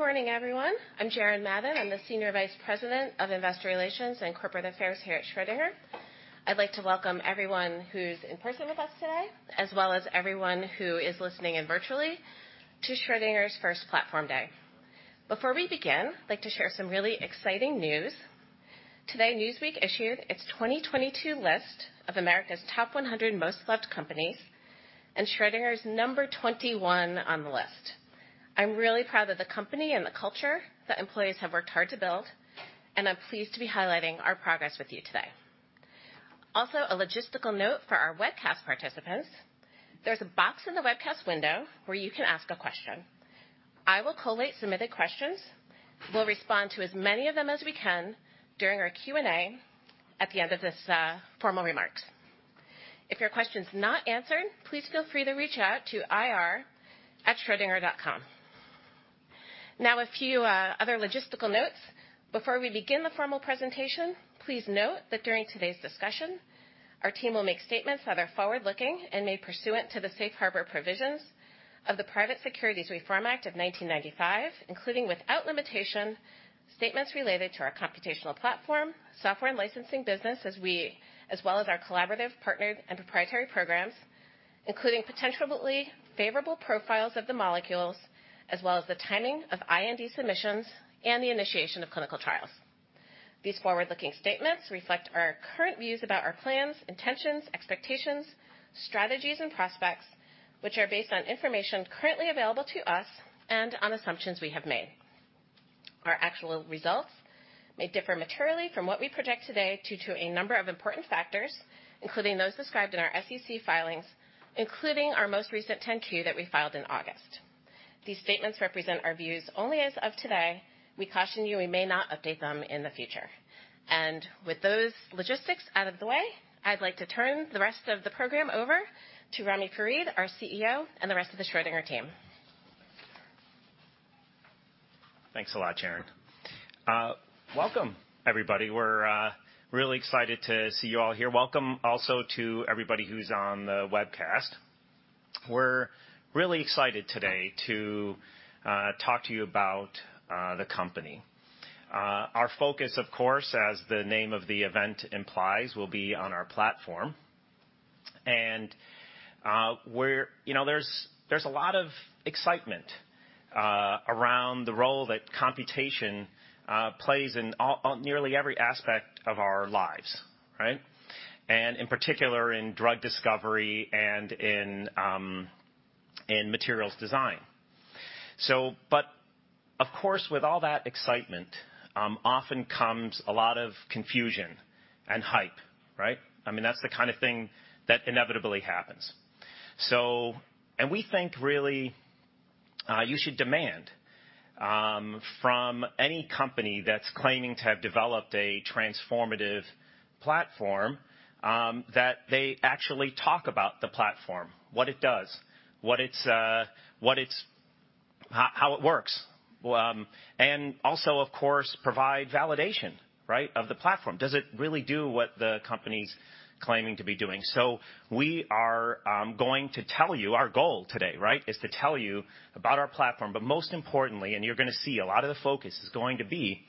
Good morning, everyone. I'm Jaren Madden. I'm the Senior Vice President of Investor Relations and Corporate Affairs here at Schrödinger. I'd like to welcome everyone who's in person with us today, as well as everyone who is listening in virtually to Schrödinger's first platform day. Before we begin, I'd like to share some really exciting news. Today, Newsweek issued its 2022 list of America's top 100 most loved companies, and Schrödinger is number 21 on the list. I'm really proud of the company and the culture that employees have worked hard to build, and I'm pleased to be highlighting our progress with you today. Also, a logistical note for our webcast participants. There's a box in the webcast window where you can ask a question. I will collate submitted questions. We'll respond to as many of them as we can during our Q&A at the end of this formal remarks. If your question is not answered, please feel free to reach out to ir@schrödinger.com. Now, a few other logistical notes. Before we begin the formal presentation, please note that during today's discussion, our team will make statements that are forward-looking and made pursuant to the Safe Harbor Provisions of the Private Securities Litigation Reform Act of 1995, including, without limitation, statements related to our computational platform, software and licensing business as well as our collaborative, partnered, and proprietary programs, including potentially favorable profiles of the molecules, as well as the timing of IND submissions and the initiation of clinical trials. These forward-looking statements reflect our current views about our plans, intentions, expectations, strategies, and prospects, which are based on information currently available to us and on assumptions we have made. Our actual results may differ materially from what we project today due to a number of important factors, including those described in our SEC filings, including our most recent 10-Q that we filed in August. These statements represent our views only as of today. We caution you we may not update them in the future. With those logistics out of the way, I'd like to turn the rest of the program over to Ramy Farid, our CEO, and the rest of the Schrödinger team. Thanks a lot, Jaren. Welcome everybody. We're really excited to see you all here. Welcome also to everybody who's on the webcast. We're really excited today to talk to you about the company. Our focus, of course, as the name of the event implies, will be on our platform. You know, there's a lot of excitement around the role that computation plays in all, nearly every aspect of our lives, right? And in particular, in drug discovery and in materials design. Of course, with all that excitement, often comes a lot of confusion and hype, right? I mean, that's the kind of thing that inevitably happens. We think really you should demand from any company that's claiming to have developed a transformative platform that they actually talk about the platform, what it does, what it's. How it works. Also, of course, provide validation, right? Of the platform. Does it really do what the company's claiming to be doing? We are going to tell you our goal today, right? Is to tell you about our platform, but most importantly, you're gonna see a lot of the focus is going to be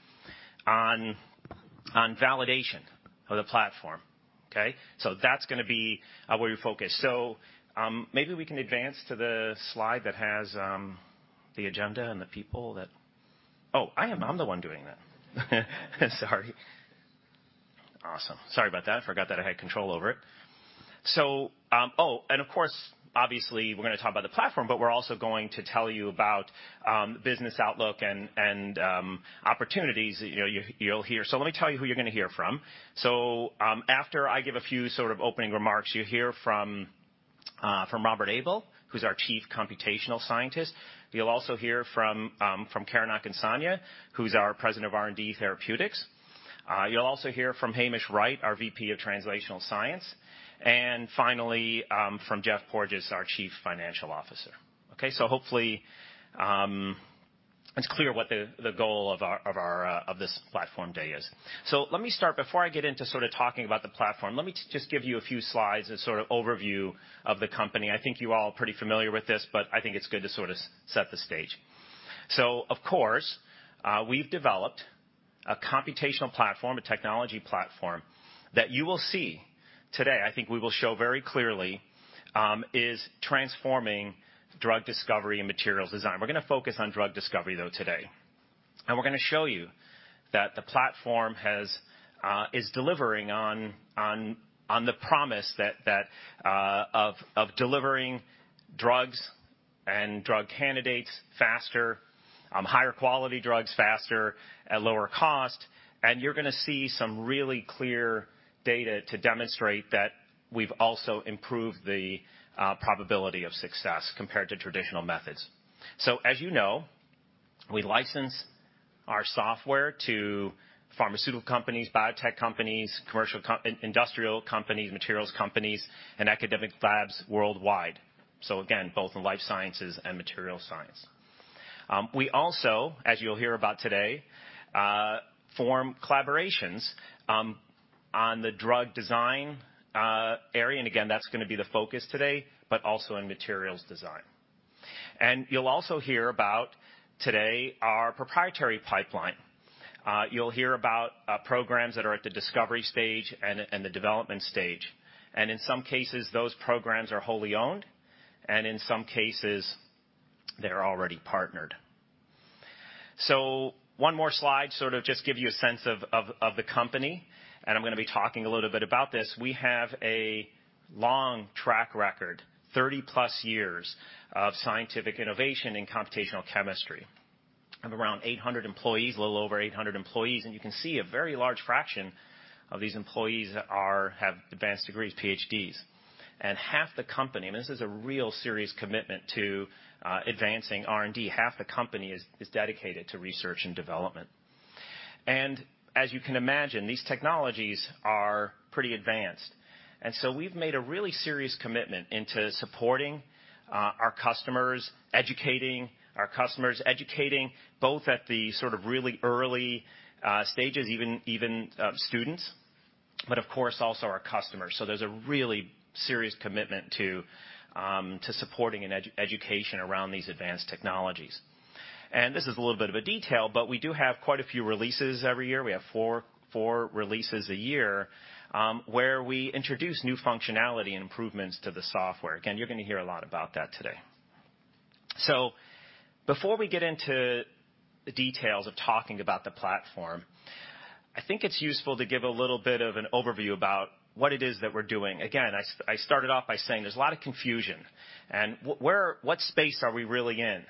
on validation of the platform. Okay? That's gonna be where we focus. Maybe we can advance to the slide that has the agenda and the people that. Oh, I am. I'm the one doing that. Sorry. Awesome. Sorry about that. Forgot that I had control over it. Of course, obviously, we're going to talk about the platform, but we're also going to tell you about business outlook and opportunities, you know, you'll hear. Let me tell you who you're going to hear from. After I give a few sort of opening remarks, you hear from Robert Abel, who's our Chief Computational Scientist. You'll also hear from Karen Akinsanya, who's our President of R&D Therapeutics. You'll also hear from Hamish Wright, our VP of Translational Science. Finally, from Geoffrey Porges, our Chief Financial Officer. Okay. Hopefully, it's clear what the goal of our of this platform day is. Let me start. Before I get into sort of talking about the platform, let me just give you a few slides and sort of overview of the company. I think you all are pretty familiar with this, but I think it's good to sort of set the stage. Of course, we've developed a computational platform, a technology platform that you will see today, I think we will show very clearly, is transforming drug discovery and materials design. We're gonna focus on drug discovery, though, today. We're gonna show you that the platform has, is delivering on the promise that of delivering drugs and drug candidates faster, higher quality drugs faster at lower cost. You're gonna see some really clear data to demonstrate that we've also improved the probability of success compared to traditional methods. As you know, we license our software to pharmaceutical companies, biotech companies, commercial and industrial companies, materials companies, and academic labs worldwide. Again, both in life sciences and material science. We also, as you'll hear about today, form collaborations on the drug design area, and again, that's gonna be the focus today, but also in materials design. You'll also hear about, today, our proprietary pipeline. You'll hear about programs that are at the discovery stage and the development stage. In some cases, those programs are wholly owned, and in some cases, they're already partnered. One more slide, sort of just give you a sense of the company, and I'm gonna be talking a little bit about this. We have a long track record, 30+ years of scientific innovation in computational chemistry, of around 800 employees, a little over 800 employees, and you can see a very large fraction of these employees have advanced degrees, PhDs. Half the company, and this is a real serious commitment to advancing R&D, half the company is dedicated to research and development. As you can imagine, these technologies are pretty advanced. We've made a really serious commitment into supporting our customers, educating our customers, educating both at the sort of really early stages, even students, but of course, also our customers. There's a really serious commitment to supporting an education around these advanced technologies. This is a little bit of a detail, but we do have quite a few releases every year. We have four releases a year, where we introduce new functionality and improvements to the software. Again, you're gonna hear a lot about that today. Before we get into the details of talking about the platform, I think it's useful to give a little bit of an overview about what it is that we're doing. Again, I started off by saying there's a lot of confusion and what space are we really in?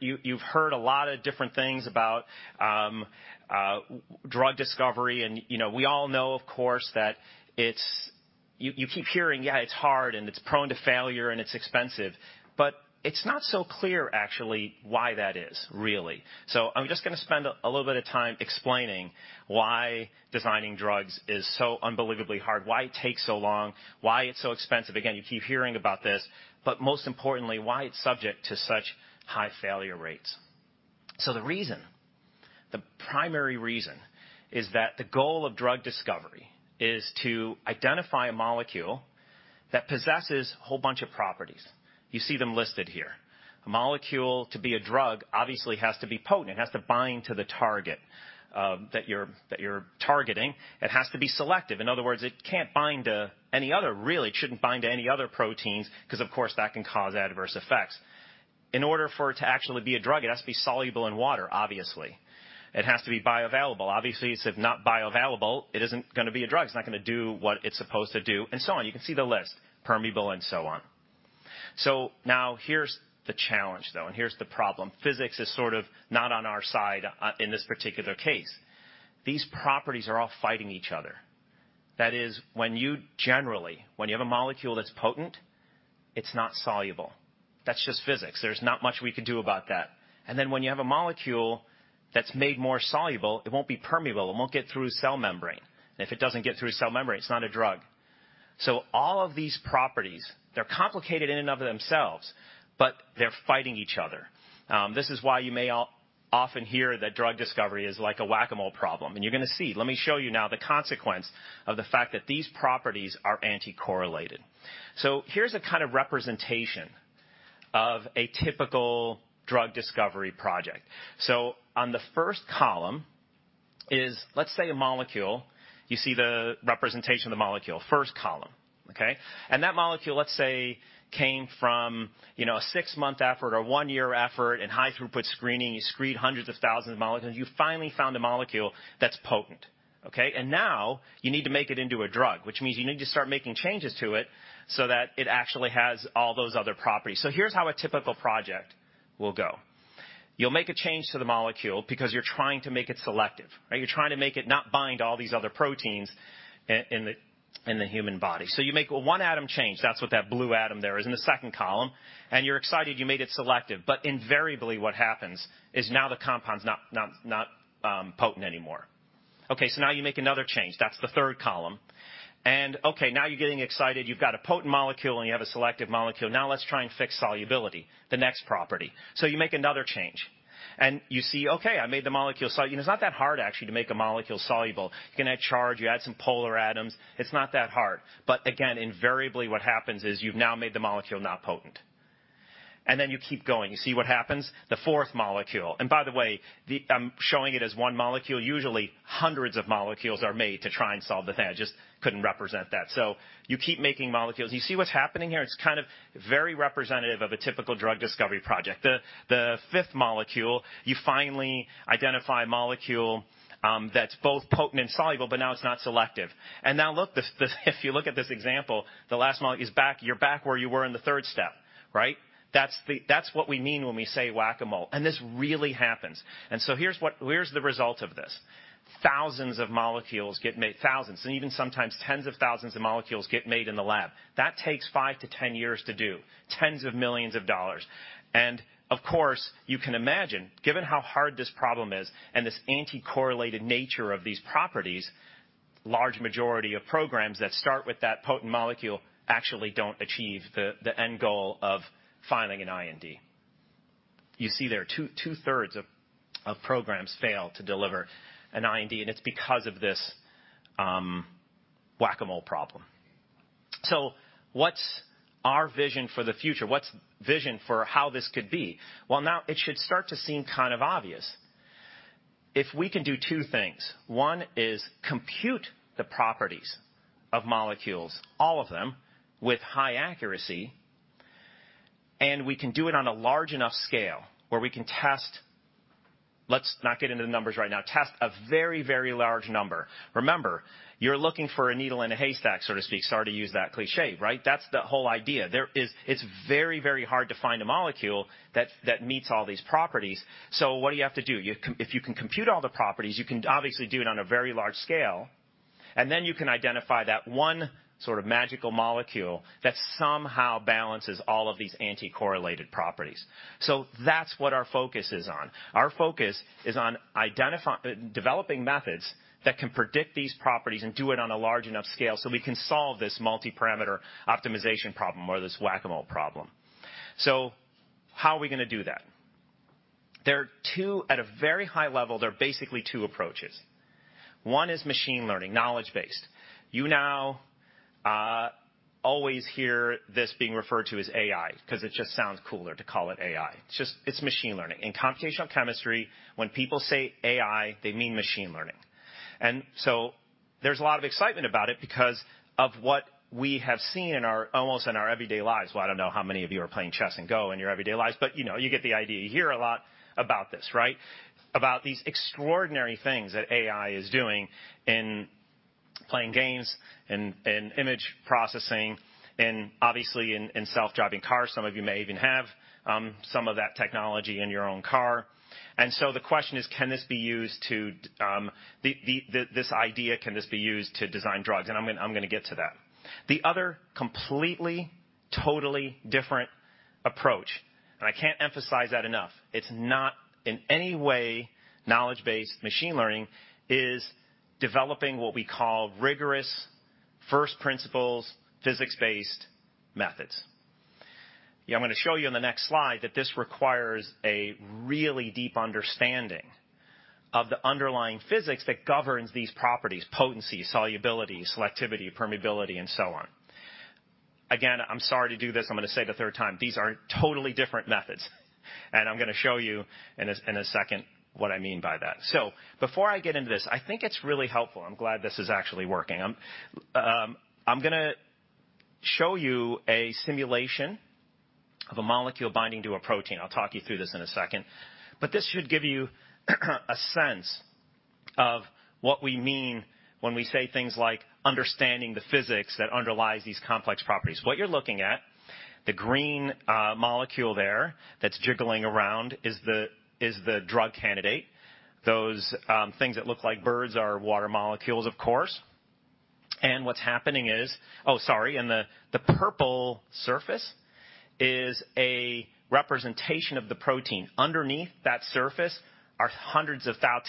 You've heard a lot of different things about our drug discovery and, you know, we all know, of course. You keep hearing, yeah, it's hard and it's prone to failure and it's expensive, but it's not so clear actually why that is, really. I'm just gonna spend a little bit of time explaining why designing drugs is so unbelievably hard, why it takes so long, why it's so expensive. Again, you keep hearing about this, but most importantly, why it's subject to such high failure rates. The reason, the primary reason, is that the goal of drug discovery is to identify a molecule that possesses a whole bunch of properties. You see them listed here. A molecule to be a drug obviously has to be potent. It has to bind to the target, that you're targeting. It has to be selective. In other words, it can't bind to any other, really, it shouldn't bind to any other proteins 'cause, of course, that can cause adverse effects. In order for it to actually be a drug, it has to be soluble in water, obviously. It has to be bioavailable. Obviously, if it's not bioavailable, it isn't gonna be a drug. It's not gonna do what it's supposed to do, and so on. You can see the list, permeable and so on. Now here's the challenge, though, and here's the problem. Physics is sort of not on our side in this particular case. These properties are all fighting each other. That is, when you have a molecule that's potent, it's not soluble. That's just physics. There's not much we can do about that. When you have a molecule that's made more soluble, it won't be permeable. It won't get through cell membrane. If it doesn't get through cell membrane, it's not a drug. All of these properties, they're complicated in and of themselves, but they're fighting each other. This is why you may often hear that drug discovery is like a whack-a-mole problem. You're gonna see. Let me show you now the consequence of the fact that these properties are anticorrelated. Here's a kind of representation of a typical drug discovery project. On the first column is, let's say, a molecule. You see the representation of the molecule, first column. Okay? That molecule, let's say, came from, you know, a six-month effort or one-year effort in high-throughput screening. You screened hundreds of thousands of molecules. You finally found a molecule that's potent. Okay? Now you need to make it into a drug, which means you need to start making changes to it so that it actually has all those other properties. Here's how a typical project will go. You'll make a change to the molecule because you're trying to make it selective. Right? You're trying to make it not bind to all these other proteins in the human body. You make one atom change. That's what that blue atom there is in the second column, and you're excited you made it selective. Invariably, what happens is now the compound's not potent anymore. Okay, now you make another change. That's the third column. Okay, now you're getting excited. You've got a potent molecule, and you have a selective molecule. Now let's try and fix solubility, the next property. You make another change, and you see, okay, I made the molecule soluble. It's not that hard actually to make a molecule soluble. You can add charge, you add some polar atoms. It's not that hard. Again, invariably, what happens is you've now made the molecule not potent. You keep going. You see what happens? The fourth molecule. By the way, I'm showing it as one molecule. Usually, hundreds of molecules are made to try and solve the thing. I just couldn't represent that. You keep making molecules. You see what's happening here? It's kind of very representative of a typical drug discovery project. The fifth molecule, you finally identify a molecule that's both potent and soluble, but now it's not selective. This, if you look at this example, the last molecule is back, you're back where you were in the third step, right? That's what we mean when we say whack-a-mole, and this really happens. Here's the result of this. Thousands of molecules get made, thousands, and even sometimes tens of thousands of molecules get made in the lab. That takes five years-10 years to do, tens of millions dollars. Of course, you can imagine, given how hard this problem is and this anticorrelated nature of these properties, large majority of programs that start with that potent molecule actually don't achieve the end goal of filing an IND. You see, that two-thirds of programs fail to deliver an IND, and it's because of this whack-a-mole problem. What's our vision for the future? What's vision for how this could be? Well, now it should start to seem kind of obvious. If we can do two things. One is compute the properties of molecules, all of them with high accuracy, and we can do it on a large enough scale where we can test. Let's not get into the numbers right now. Test a very, very large number. Remember, you're looking for a needle in a haystack, so to speak. Sorry to use that cliché, right? That's the whole idea. It's very, very hard to find a molecule that meets all these properties. What do you have to do? If you can compute all the properties, you can obviously do it on a very large scale, and then you can identify that one sort of magical molecule that somehow balances all of these anticorrelated properties. That's what our focus is on. Our focus is on developing methods that can predict these properties and do it on a large enough scale so we can solve this multiparameter optimization problem or this whack-a-mole problem. How are we gonna do that? There are two at a very high level, there are basically two approaches. One is machine learning, knowledge-based. You know, always hear this being referred to as AI because it just sounds cooler to call it AI. It's just, it's machine learning. In computational chemistry, when people say AI, they mean machine learning. There's a lot of excitement about it because of what we have seen in our almost everyday lives. Well, I don't know how many of you are playing chess and Go in your everyday lives, but you know, you get the idea. You hear a lot about this, right? About these extraordinary things that AI is doing in playing games, in image processing, obviously in self-driving cars. Some of you may even have some of that technology in your own car. The question is, can this be used to design drugs? I'm gonna get to that. The other completely, totally different approach, I can't emphasize that enough. It's not in any way knowledge-based machine learning is developing what we call rigorous first principles, physics-based methods. I'm gonna show you in the next slide that this requires a really deep understanding of the underlying physics that governs these properties, potency, solubility, selectivity, permeability, and so on. Again, I'm sorry to do this. I'm gonna say it a third time. These are totally different methods, and I'm gonna show you in a second what I mean by that. Before I get into this, I think it's really helpful. I'm glad this is actually working. I'm gonna show you a simulation of a molecule binding to a protein. I'll talk you through this in a second. This should give you a sense of what we mean when we say things like understanding the physics that underlies these complex properties. What you're looking at, the green molecule there that's jiggling around is the drug candidate. Those things that look like birds are water molecules, of course. What's happening is the purple surface is a representation of the protein. Underneath that surface are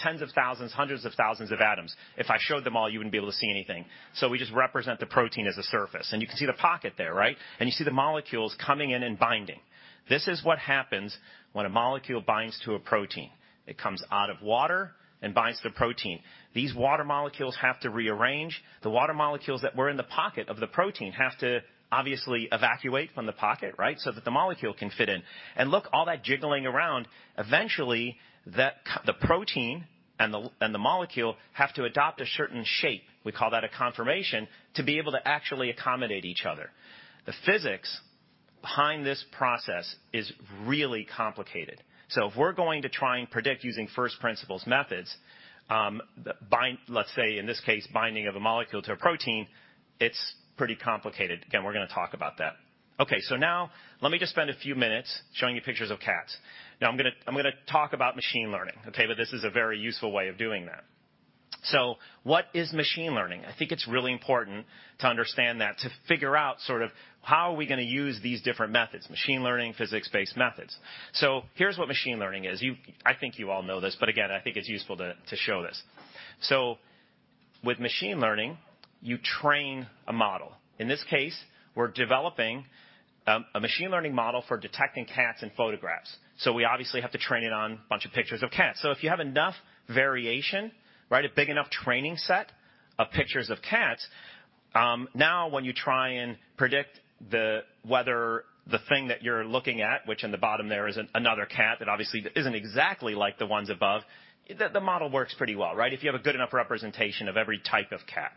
tens of thousands, hundreds of thousands of atoms. If I showed them all, you wouldn't be able to see anything. We just represent the protein as a surface. You can see the pocket there, right? You see the molecules coming in and binding. This is what happens when a molecule binds to a protein. It comes out of water and binds to a protein. These water molecules have to rearrange. The water molecules that were in the pocket of the protein have to obviously evacuate from the pocket, right? That the molecule can fit in. Look, all that jiggling around, eventually the protein and the molecule have to adopt a certain shape, we call that a conformation, to be able to actually accommodate each other. The physics behind this process is really complicated. If we're going to try and predict using first principles methods, let's say in this case, binding of a molecule to a protein, it's pretty complicated. Again, we're gonna talk about that. Okay, now let me just spend a few minutes showing you pictures of cats. Now I'm gonna talk about machine learning, okay? This is a very useful way of doing that. What is machine learning? I think it's really important to understand that, to figure out sort of how are we gonna use these different methods, machine learning, physics-based methods. Here's what machine learning is. I think you all know this, but again, I think it's useful to show this. With machine learning, you train a model. In this case, we're developing a machine learning model for detecting cats in photographs. We obviously have to train it on a bunch of pictures of cats. If you have enough variation, right, a big enough training set of pictures of cats, now when you try and predict the, whether the thing that you're looking at, which in the bottom there is another cat that obviously isn't exactly like the ones above, the model works pretty well, right? If you have a good enough representation of every type of cat.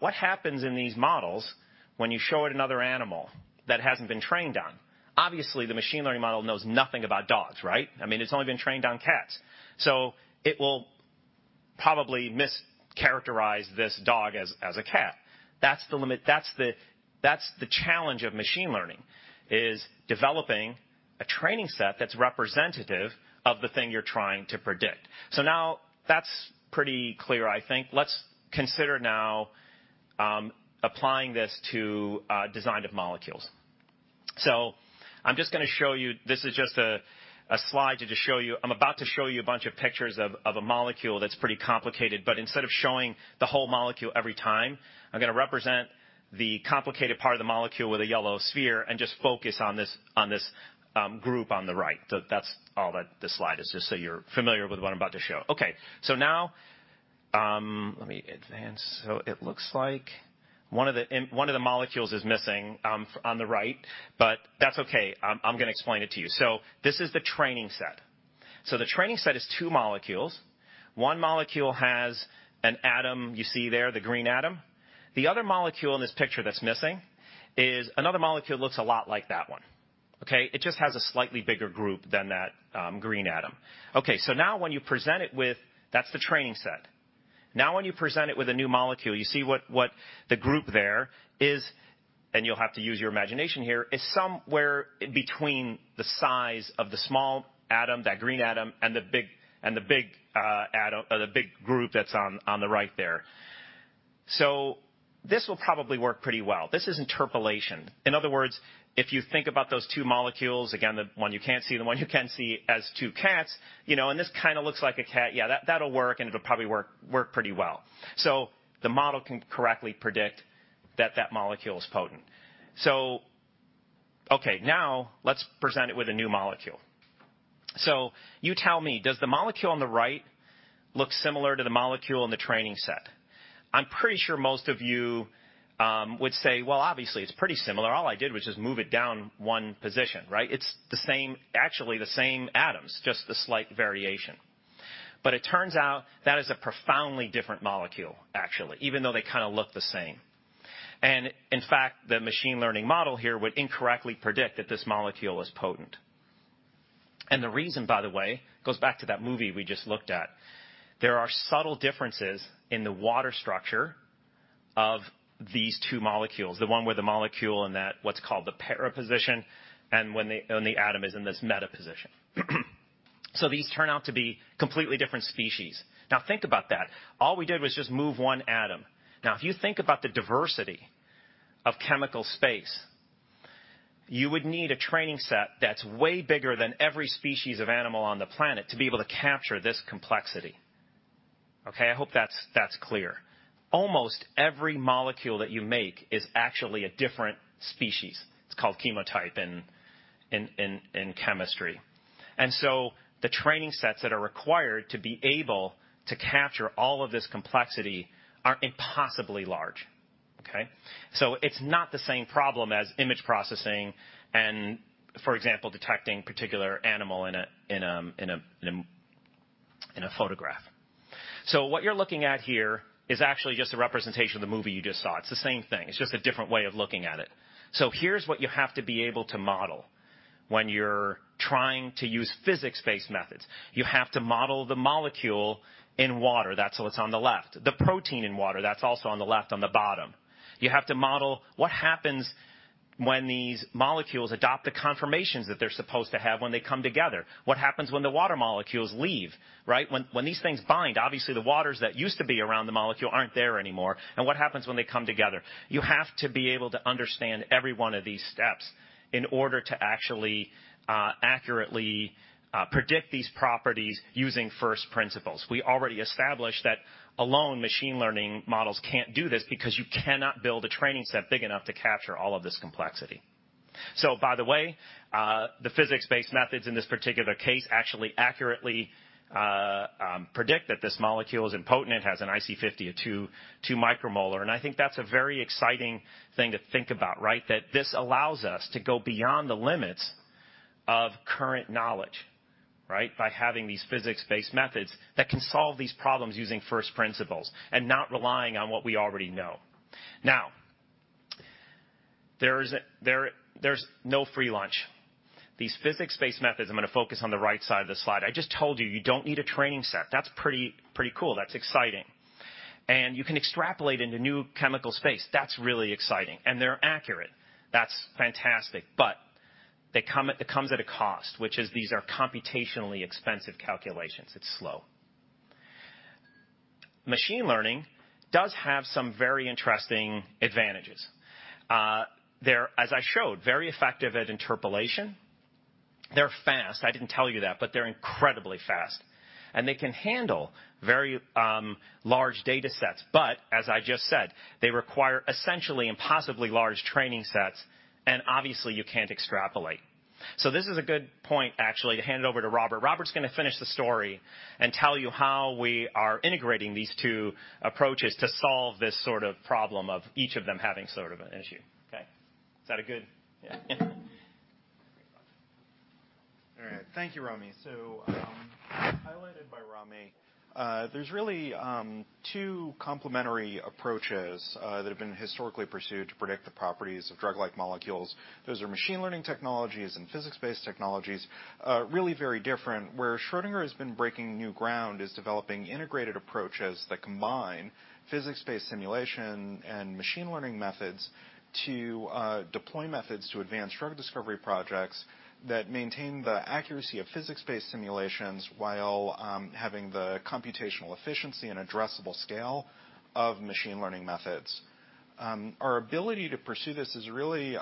What happens in these models when you show it another animal that hasn't been trained on? Obviously, the machine learning model knows nothing about dogs, right? I mean, it's only been trained on cats. It will probably mischaracterize this dog as a cat. That's the limit. That's the challenge of machine learning, is developing a training set that's representative of the thing you're trying to predict. Now that's pretty clear, I think. Let's consider now, applying this to, design of molecules. I'm just gonna show you, this is just a slide to just show you. I'm about to show you a bunch of pictures of a molecule that's pretty complicated, but instead of showing the whole molecule every time, I'm gonna represent the complicated part of the molecule with a yellow sphere and just focus on this group on the right. That's all that this slide is, just so you're familiar with what I'm about to show. Okay, now let me advance. It looks like one of the molecules is missing on the right, but that's okay. I'm gonna explain it to you. This is the training set. The training set is two molecules. One molecule has an atom, you see there, the green atom. The other molecule in this picture that's missing is another molecule, looks a lot like that one, okay? It just has a slightly bigger group than that, green atom. Okay, so now when you present it with. That's the training set. Now when you present it with a new molecule, you see what the group there is, and you'll have to use your imagination here, is somewhere between the size of the small atom, that green atom, and the big atom or the big group that's on the right there. So this will probably work pretty well. This is interpolation. In other words, if you think about those two molecules, again, the one you can't see, the one you can see as two cats, you know, and this kinda looks like a cat, yeah, that'll work, and it'll probably work pretty well. The model can correctly predict that that molecule is potent. Okay, now let's present it with a new molecule. You tell me, does the molecule on the right look similar to the molecule in the training set? I'm pretty sure most of you would say, "Well, obviously it's pretty similar. All I did was just move it down one position, right?" It's the same, actually the same atoms, just a slight variation. It turns out that is a profoundly different molecule, actually, even though they kinda look the same. In fact, the machine learning model here would incorrectly predict that this molecule is potent. The reason, by the way, goes back to that movie we just looked at. There are subtle differences in the water structure of these two molecules, the one where the molecule and that, what's called the para position, and when the atom is in this meta position. These turn out to be completely different species. Now think about that. All we did was just move one atom. Now, if you think about the diversity of chemical space, you would need a training set that's way bigger than every species of animal on the planet to be able to capture this complexity. Okay? I hope that's clear. Almost every molecule that you make is actually a different species. It's called chemotype in chemistry. The training sets that are required to be able to capture all of this complexity are impossibly large, okay? It's not the same problem as image processing and, for example, detecting particular animal in a photograph. What you're looking at here is actually just a representation of the movie you just saw. It's the same thing. It's just a different way of looking at it. Here's what you have to be able to model when you're trying to use physics-based methods. You have to model the molecule in water. That's what's on the left. The protein in water, that's also on the left on the bottom. You have to model what happens when these molecules adopt the conformations that they're supposed to have when they come together. What happens when the water molecules leave, right? When these things bind, obviously the waters that used to be around the molecule aren't there anymore. What happens when they come together? You have to be able to understand every one of these steps in order to actually accurately predict these properties using first principles. We already established that alone machine learning models can't do this because you cannot build a training set big enough to capture all of this complexity. By the way, the physics-based methods in this particular case actually accurately predict that this molecule isn't potent. It has an IC50 of 2.2 micromolar. I think that's a very exciting thing to think about, right? That this allows us to go beyond the limits of current knowledge, right? By having these physics-based methods that can solve these problems using first principles and not relying on what we already know. There's no free lunch. These physics-based methods, I'm gonna focus on the right side of the slide. I just told you don't need a training set. That's pretty cool. That's exciting. You can extrapolate into new chemical space. That's really exciting. They're accurate. That's fantastic, but it comes at a cost, which is these are computationally expensive calculations. It's slow. Machine learning does have some very interesting advantages. They're, as I showed, very effective at interpolation. They're fast. I didn't tell you that, but they're incredibly fast. They can handle very large data sets, but as I just said, they require essentially impossibly large training sets, and obviously you can't extrapolate. This is a good point, actually, to hand it over to Robert. Robert's gonna finish the story and tell you how we are integrating these two approaches to solve this sort of problem of each of them having sort of an issue. Okay, is that a good. Yeah. All right. Thank you, Ramy. Highlighted by Ramy, there's really two complementary approaches that have been historically pursued to predict the properties of drug-like molecules. Those are machine learning technologies and physics-based technologies. Really very different, where Schrödinger has been breaking new ground is developing integrated approaches that combine physics-based simulation and machine learning methods to deploy methods to advance drug discovery projects that maintain the accuracy of physics-based simulations while having the computational efficiency and addressable scale of machine learning methods. Our ability to pursue this has really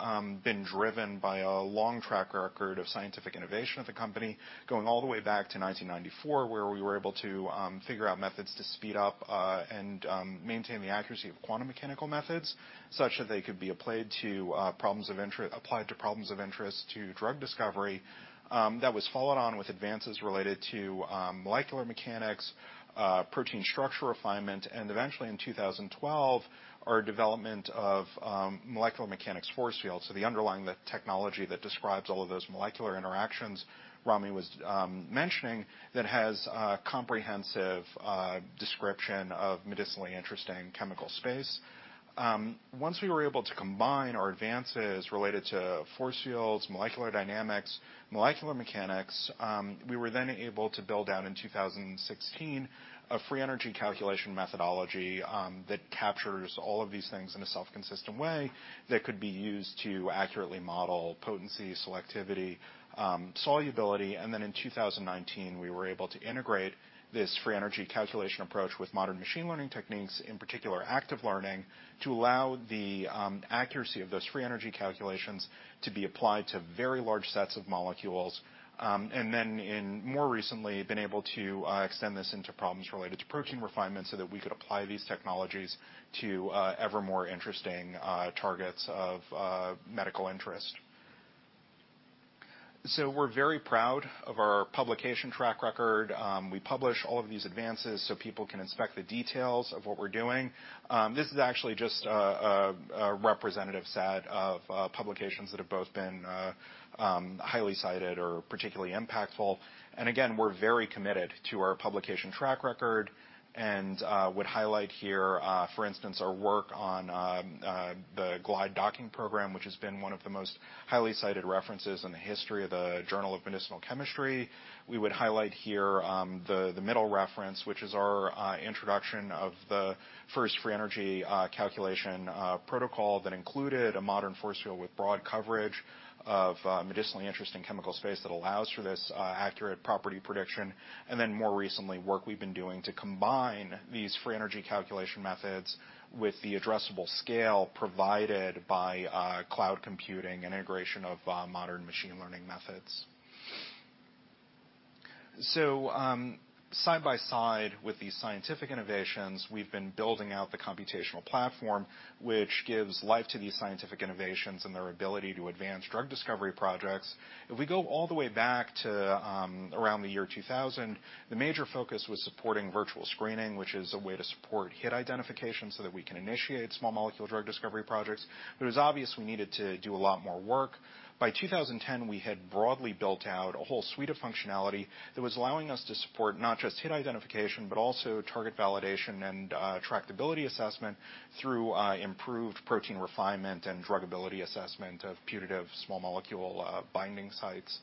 been driven by a long track record of scientific innovation of the company going all the way back to 1994 where we were able to figure out methods to speed up and maintain the accuracy of quantum mechanical methods such that they could be applied to problems of interest to drug discovery. That was followed on with advances related to molecular mechanics, protein structure refinement, and eventually in 2012, our development of molecular mechanics force field. The underlying technology that describes all of those molecular interactions Ramy was mentioning that has a comprehensive description of medicinally interesting chemical space. Once we were able to combine our advances related to force fields, molecular dynamics, molecular mechanics, we were then able to build out in 2016 a free energy calculation methodology that captures all of these things in a self-consistent way that could be used to accurately model potency, selectivity, solubility. In 2019, we were able to integrate this free energy calculation approach with modern machine learning techniques, in particular active learning to allow the accuracy of those free energy calculations to be applied to very large sets of molecules. More recently, we have been able to extend this into problems related to protein refinement so that we could apply these technologies to ever more interesting targets of medical interest. We're very proud of our publication track record. We publish all of these advances so people can inspect the details of what we're doing. This is actually just a representative set of publications that have both been highly cited or particularly impactful. Again, we're very committed to our publication track record and would highlight here, for instance, our work on the Glide docking program, which has been one of the most highly cited references in the history of the Journal of Medicinal Chemistry. We would highlight here the middle reference, which is our introduction of the first free energy calculation protocol that included a modern force field with broad coverage of medicinally interesting chemical space that allows for this accurate property prediction. More recently, work we've been doing to combine these free energy calculation methods with the addressable scale provided by cloud computing and integration of modern machine learning methods. Side by side with these scientific innovations, we've been building out the computational platform, which gives life to these scientific innovations and their ability to advance drug discovery projects. If we go all the way back to around the year 2000, the major focus was supporting virtual screening, which is a way to support hit identification so that we can initiate small molecule drug discovery projects. It was obvious we needed to do a lot more work. By 2010, we had broadly built out a whole suite of functionality that was allowing us to support not just hit identification, but also target validation and tractability assessment through improved protein refinement and druggability assessment of putative small molecule binding sites.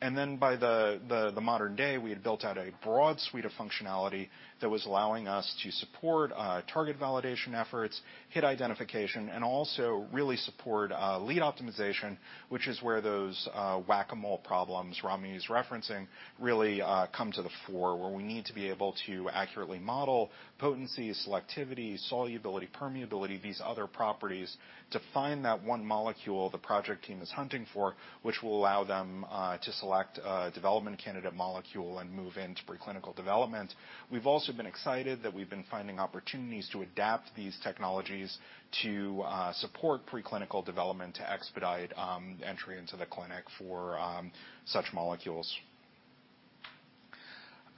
Then by the modern day, we had built out a broad suite of functionality that was allowing us to support target validation efforts, hit identification, and also really support lead optimization, which is where those whack-a-mole problems Ramy's referencing really come to the fore, where we need to be able to accurately model potency, selectivity, solubility, permeability, these other properties to find that one molecule the project team is hunting for, which will allow them to select a development candidate molecule and move into preclinical development. We've also been excited that we've been finding opportunities to adapt these technologies to support preclinical development to expedite entry into the clinic for such molecules.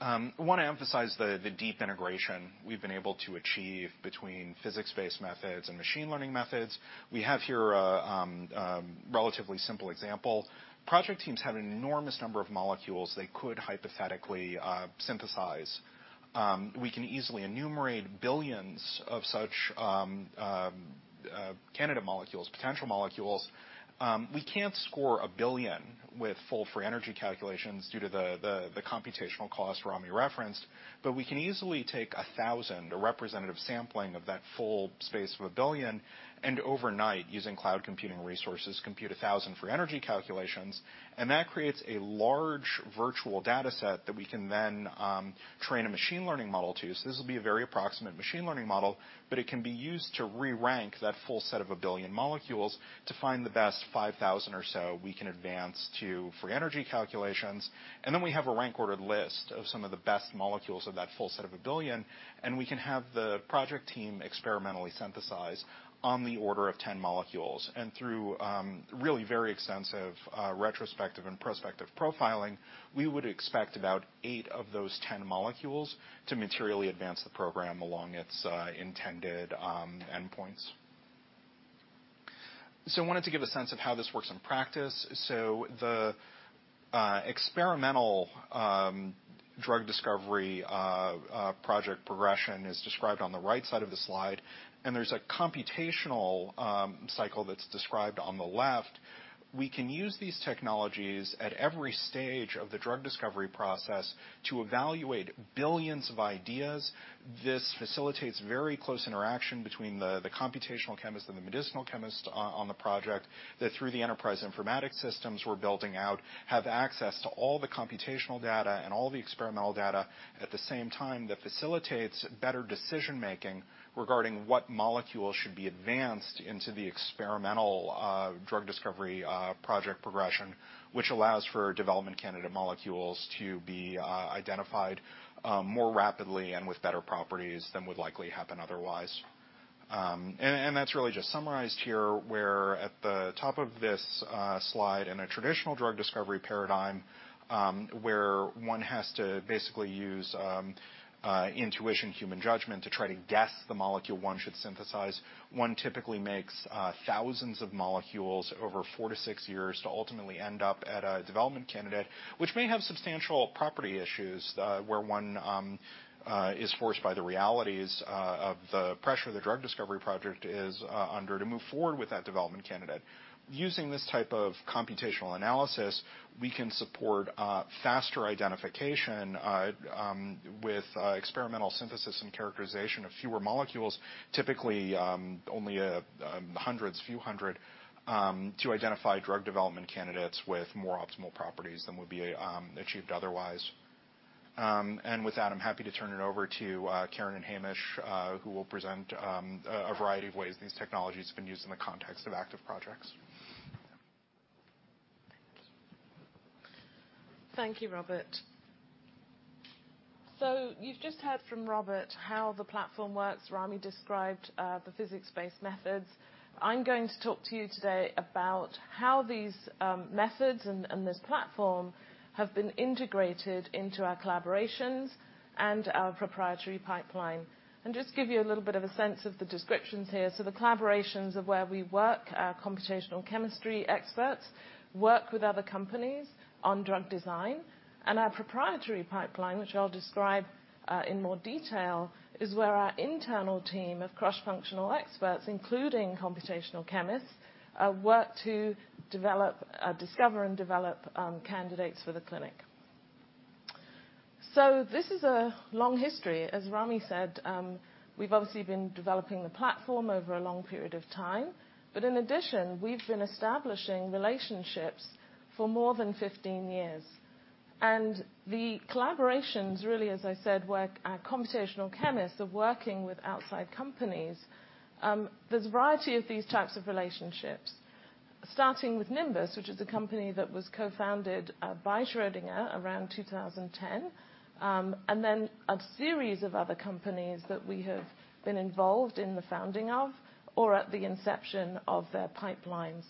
I wanna emphasize the deep integration we've been able to achieve between physics-based methods and machine learning methods. We have here a relatively simple example. Project teams have an enormous number of molecules they could hypothetically synthesize. We can easily enumerate billions of such candidate molecules, potential molecules. We can't score a billion with full free energy calculations due to the computational cost Ramy referenced, but we can easily take 1,000, a representative sampling of that full space of 1 billion, and overnight, using cloud computing resources, compute 1,000 free energy calculations. that creates a large virtual data set that we can then train a machine learning model to. This will be a very approximate machine learning model, but it can be used to re-rank that full set of one billion molecules to find the best 5,000 or so we can advance to free energy calculations. Then we have a rank ordered list of some of the best molecules of that full set of billion, and we can have the project team experimentally synthesize on the order of 10 molecules. Through really very extensive retrospective and prospective profiling, we would expect about eight of those 10 molecules to materially advance the program along its intended endpoints. I wanted to give a sense of how this works in practice. The experimental drug discovery project progression is described on the right side of the slide, and there's a computational cycle that's described on the left. We can use these technologies at every stage of the drug discovery process to evaluate billions of ideas. This facilitates very close interaction between the computational chemist and the medicinal chemist on the project that through the enterprise informatics systems we're building out, have access to all the computational data and all the experimental data at the same time that facilitates better decision-making regarding what molecule should be advanced into the experimental drug discovery project progression, which allows for development candidate molecules to be identified more rapidly and with better properties than would likely happen otherwise. That's really just summarized here, where at the top of this slide in a traditional drug discovery paradigm, where one has to basically use intuition, human judgment to try to guess the molecule one should synthesize. One typically makes thousands of molecules over four to six years to ultimately end up at a development candidate, which may have substantial property issues, where one is forced by the realities of the pressure the drug discovery project is under to move forward with that development candidate. Using this type of computational analysis, we can support faster identification with experimental synthesis and characterization of fewer molecules, typically only a few hundred to identify drug development candidates with more optimal properties than would be achieved otherwise. With that, I'm happy to turn it over to Karen and Hamish, who will present a variety of ways these technologies have been used in the context of active projects. Thank you, Robert. You've just heard from Robert how the platform works. Ramy described the physics-based methods. I'm going to talk to you today about how these methods and this platform have been integrated into our collaborations and our proprietary pipeline. Just give you a little bit of a sense of the descriptions here. The collaborations are where we work, our computational chemistry experts work with other companies on drug design, and our proprietary pipeline, which I'll describe in more detail, is where our internal team of cross-functional experts, including computational chemists, work to develop discover and develop candidates for the clinic. This is a long history. As Ramy said, we've obviously been developing the platform over a long period of time, but in addition, we've been establishing relationships for more than 15 years. The collaborations really, as I said, where our computational chemists are working with outside companies, there's a variety of these types of relationships, starting with Nimbus, which is a company that was co-founded by Schrödinger around 2010. A series of other companies that we have been involved in the founding of or at the inception of their pipelines.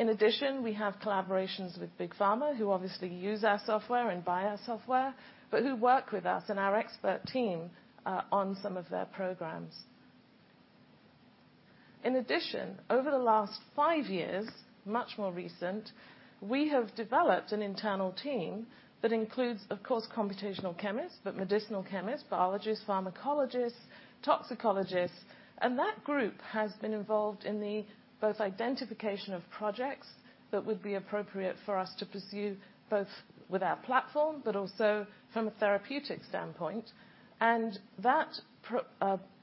In addition, we have collaborations with Big Pharma, who obviously use our software and buy our software, but who work with us and our expert team on some of their programs. In addition, over the last five years, much more recent, we have developed an internal team that includes, of course, computational chemists, but medicinal chemists, biologists, pharmacologists, toxicologists. That group has been involved in both the identification of projects that would be appropriate for us to pursue, both with our platform, but also from a therapeutic standpoint. That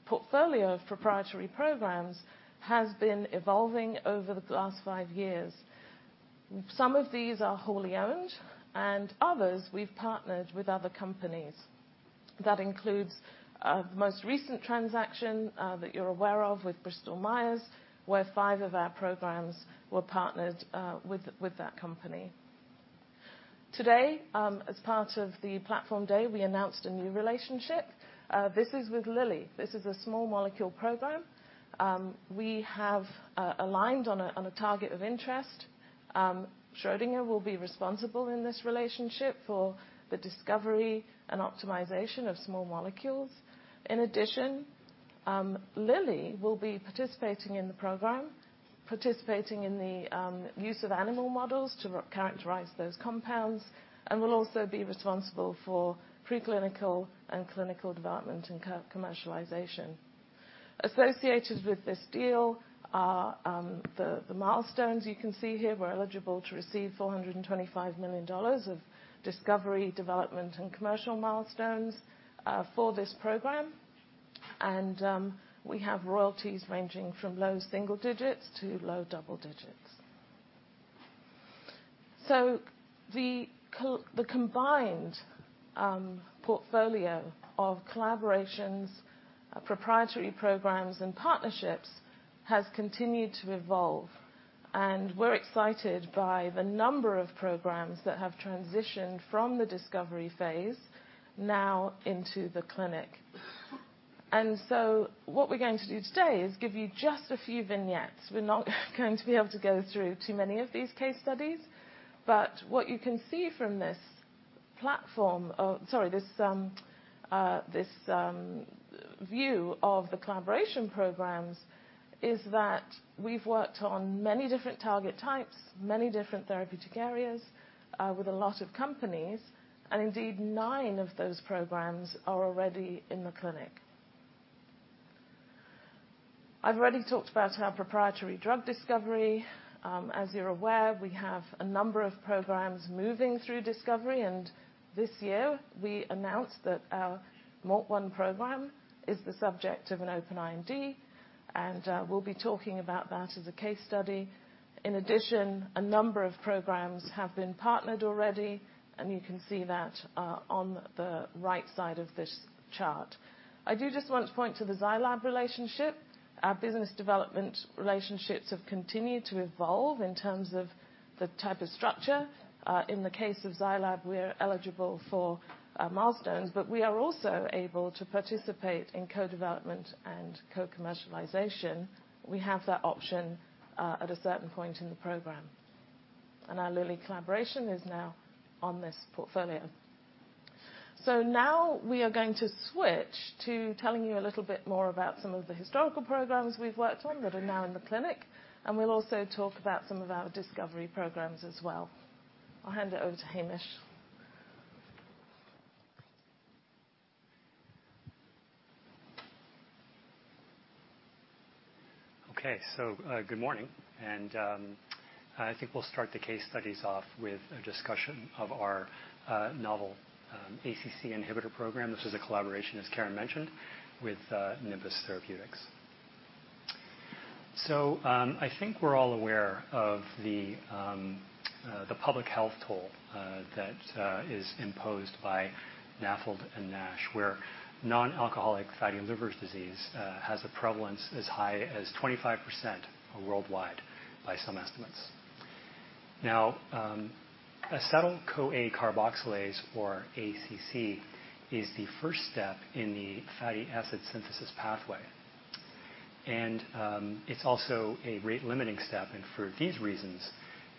portfolio of proprietary programs has been evolving over the last five years. Some of these are wholly owned, and others, we've partnered with other companies. That includes the most recent transaction that you're aware of with Bristol Myers Squibb, where five of our programs were partnered with that company. Today, as part of the Platform Day, we announced a new relationship, this is with Lilly. This is a small molecule program. We have aligned on a target of interest. Schrödinger will be responsible in this relationship for the discovery and optimization of small molecules. In addition, Lilly will be participating in the program, use of animal models to characterize those compounds, and will also be responsible for preclinical and clinical development and co-commercialization. Associated with this deal are the milestones you can see here. We're eligible to receive $425 million of discovery, development, and commercial milestones for this program. We have royalties ranging from low single digits to low double digits. The combined portfolio of collaborations, proprietary programs, and partnerships has continued to evolve, and we're excited by the number of programs that have transitioned from the discovery phase now into the clinic. What we're going to do today is give you just a few vignettes. We're not going to be able to go through too many of these case studies, but what you can see from this view of the collaboration programs is that we've worked on many different target types, many different therapeutic areas, with a lot of companies, and indeed, nine of those programs are already in the clinic. I've already talked about our proprietary drug discovery. As you're aware, we have a number of programs moving through discovery, and this year, we announced that our MALT1 program is the subject of an open IND. We'll be talking about that as a case study. In addition, a number of programs have been partnered already, and you can see that, on the right side of this chart. I do just want to point to the Zai Lab relationship. Our business development relationships have continued to evolve in terms of the type of structure. In the case of Zai Lab, we're eligible for milestones, but we are also able to participate in co-development and co-commercialization. We have that option at a certain point in the program. Our Lilly collaboration is now on this portfolio. Now we are going to switch to telling you a little bit more about some of the historical programs we've worked on that are now in the clinic, and we'll also talk about some of our discovery programs as well. I'll hand it over to Hamish. Okay. Good morning. I think we'll start the case studies off with a discussion of our novel ACC inhibitor program. This is a collaboration, as Karen mentioned, with Nimbus Therapeutics. I think we're all aware of the public health toll that is imposed by NAFLD and NASH, where non-alcoholic fatty liver disease has a prevalence as high as 25% worldwide by some estimates. Now, acetyl-CoA carboxylase, or ACC, is the first step in the fatty acid synthesis pathway. It's also a rate-limiting step, and for these reasons,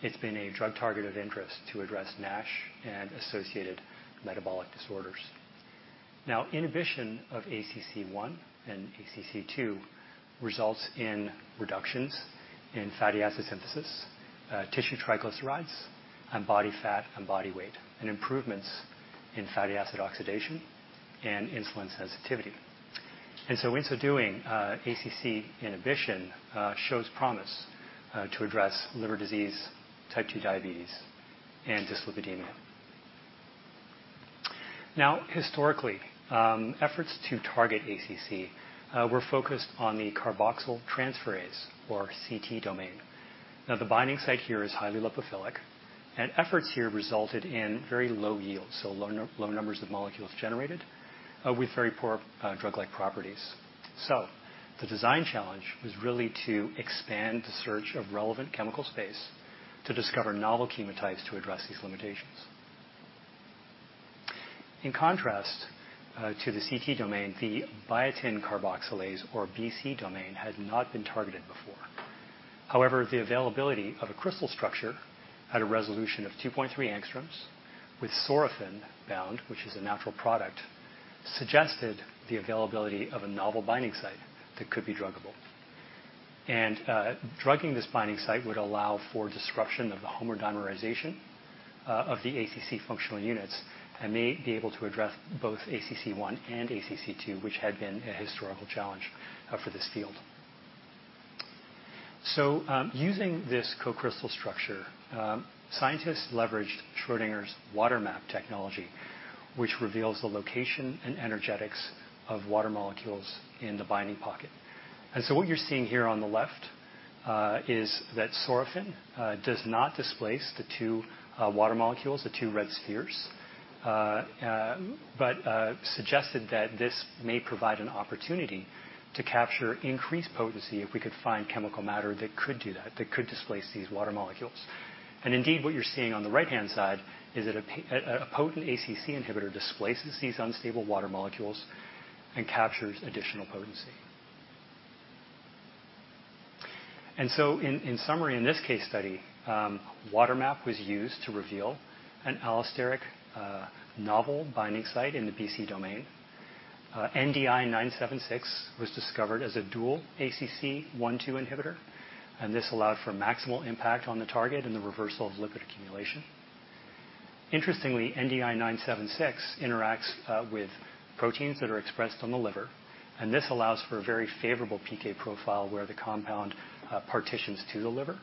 it's been a drug target of interest to address NASH and associated metabolic disorders. Now, inhibition of ACC1 and ACC2 results in reductions in fatty acid synthesis, tissue triglycerides and body fat and body weight, and improvements in fatty acid oxidation and insulin sensitivity. In so doing, ACC inhibition shows promise to address liver disease, type II diabetes, and dyslipidemia. Now, historically, efforts to target ACC were focused on the carboxyl transferase or CT domain. Now, the binding site here is highly lipophilic, and efforts here resulted in very low yields, so low numbers of molecules generated with very poor drug-like properties. The design challenge was really to expand the search of relevant chemical space to discover novel chemotypes to address these limitations. In contrast to the CT domain, the biotin carboxylase, or BC domain, had not been targeted before. However, the availability of a crystal structure at a resolution of 2.3 angstroms with sorafenib bound, which is a natural product, suggested the availability of a novel binding site that could be druggable. Drugging this binding site would allow for disruption of the homodimerization of the ACC functional units and may be able to address both ACC1 and ACC2, which had been a historical challenge for this field. Using this co-crystal structure, scientists leveraged Schrödinger's WaterMap technology, which reveals the location and energetics of water molecules in the binding pocket. What you're seeing here on the left is that sorafenib does not displace the two water molecules, the two red spheres, but suggested that this may provide an opportunity to capture increased potency if we could find chemical matter that could do that could displace these water molecules. Indeed, what you're seeing on the right-hand side is that a potent ACC inhibitor displaces these unstable water molecules and captures additional potency. In summary, in this case study, WaterMap was used to reveal an allosteric novel binding site in the BC domain. NDI-010976 was discovered as a dual ACC1/ACC2 inhibitor, and this allowed for maximal impact on the target and the reversal of lipid accumulation. Interestingly, NDI-0976 interacts with proteins that are expressed on the liver, and this allows for a very favorable PK profile where the compound partitions to the liver.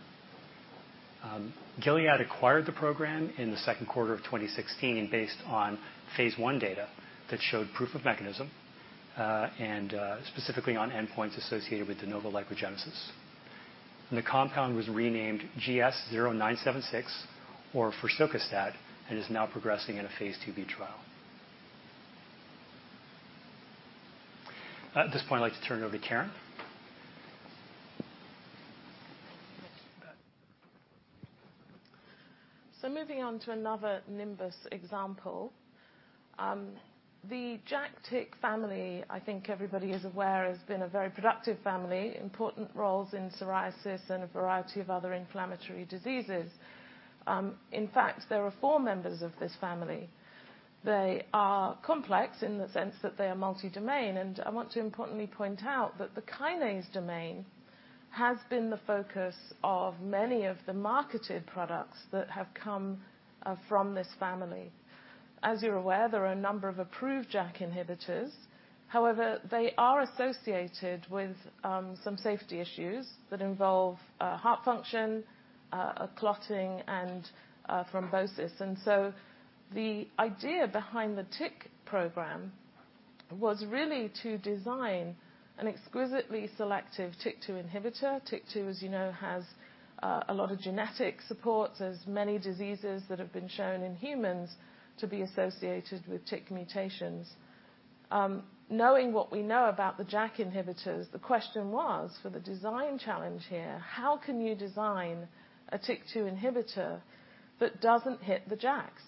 Gilead acquired the program in the second quarter of 2016 based on phase I data that showed proof of mechanism, and specifically on endpoints associated with de novo lipogenesis. The compound was renamed GS-0976 or firsocostat and is now progressing in a phase II-B trial. At this point, I'd like to turn it over to Karen. Moving on to another Nimbus example. The JAK/TYK family, I think everybody is aware, has been a very productive family, important roles in psoriasis and a variety of other inflammatory diseases. In fact, there are four members of this family. They are complex in the sense that they are multi-domain. I want to importantly point out that the kinase domain has been the focus of many of the marketed products that have come from this family. As you're aware, there are a number of approved JAK inhibitors. However, they are associated with some safety issues that involve heart function, clotting, and thrombosis. The idea behind the TYK program was really to design an exquisitely selective TYK2 inhibitor. TYK2, as you know, has a lot of genetic support. There are many diseases that have been shown in humans to be associated with TYK mutations. Knowing what we know about the JAK inhibitors, the question was, for the design challenge here, how can you design a TYK2 inhibitor that doesn't hit the JAKs?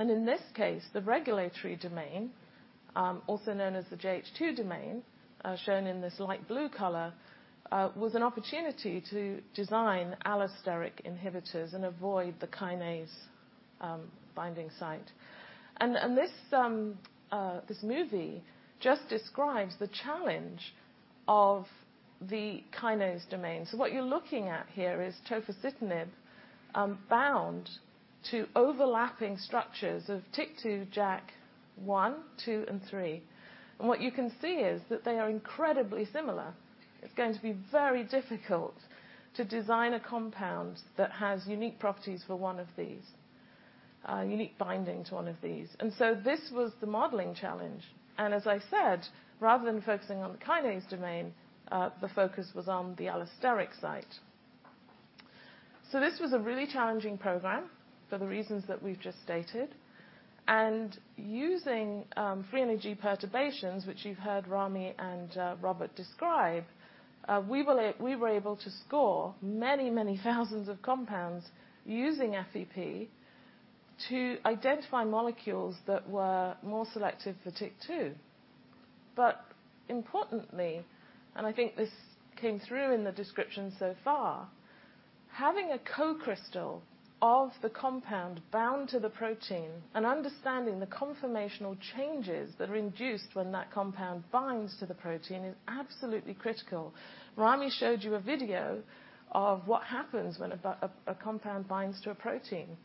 In this case, the regulatory domain, also known as the JH2 domain, shown in this light blue color, was an opportunity to design allosteric inhibitors and avoid the kinase binding site. This movie just describes the challenge of the kinase domain. What you're looking at here is tofacitinib, bound to overlapping structures of TYK2, JAK1, JAK2, and JAK3. What you can see is that they are incredibly similar. It's going to be very difficult to design a compound that has unique properties for one of these, unique binding to one of these. This was the modeling challenge. As I said, rather than focusing on the kinase domain, the focus was on the allosteric site. This was a really challenging program for the reasons that we've just stated. Using free energy perturbations, which you've heard Ramy and Robert describe, we were able to score many thousands of compounds using FEP to identify molecules that were more selective for TYK2. Importantly, and I think this came through in the description so far, having a co-crystal of the compound bound to the protein and understanding the conformational changes that are induced when that compound binds to the protein is absolutely critical. Ramy showed you a video of what happens when a compound binds to a protein.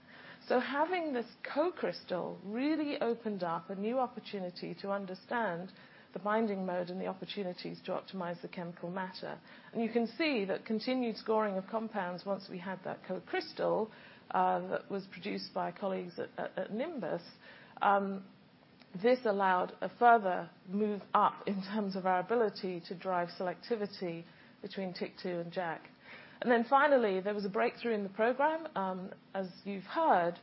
Having this co-crystal really opened up a new opportunity to understand the binding mode and the opportunities to optimize the chemical matter. You can see that continued scoring of compounds once we had that co-crystal, that was produced by colleagues at Nimbus, this allowed a further move up in terms of our ability to drive selectivity between TYK2 and JAK. Finally, there was a breakthrough in the program. As you've heard,